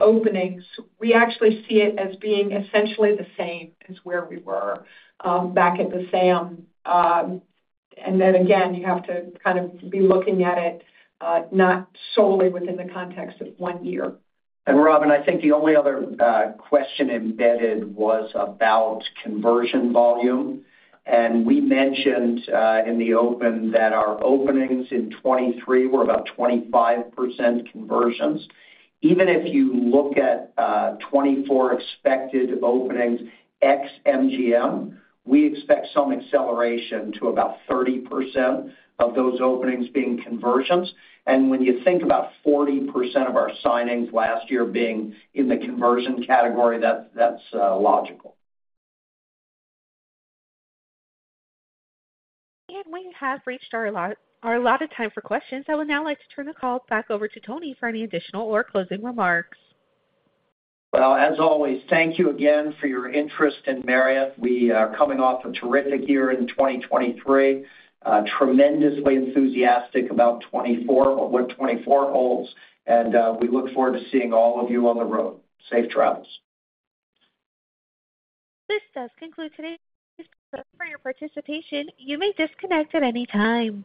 openings, we actually see it as being essentially the same as where we were back at the SAM. Then again, you have to kind of be looking at it not solely within the context of one year. Robin, I think the only other question embedded was about conversion volume. We mentioned in the open that our openings in 2023 were about 25% conversions. Even if you look at 2024 expected openings, ex MGM, we expect some acceleration to about 30% of those openings being conversions. When you think about 40% of our signings last year being in the conversion category, that's logical. We have reached our allotted time for questions. I would now like to turn the call back over to Tony for any additional or closing remarks. Well, as always, thank you again for your interest in Marriott. We are coming off a terrific year in 2023. Tremendously enthusiastic about 2024, what 2024 holds, and, we look forward to seeing all of you on the road. Safe travels. This does conclude today's-- For your participation. You may disconnect at any time.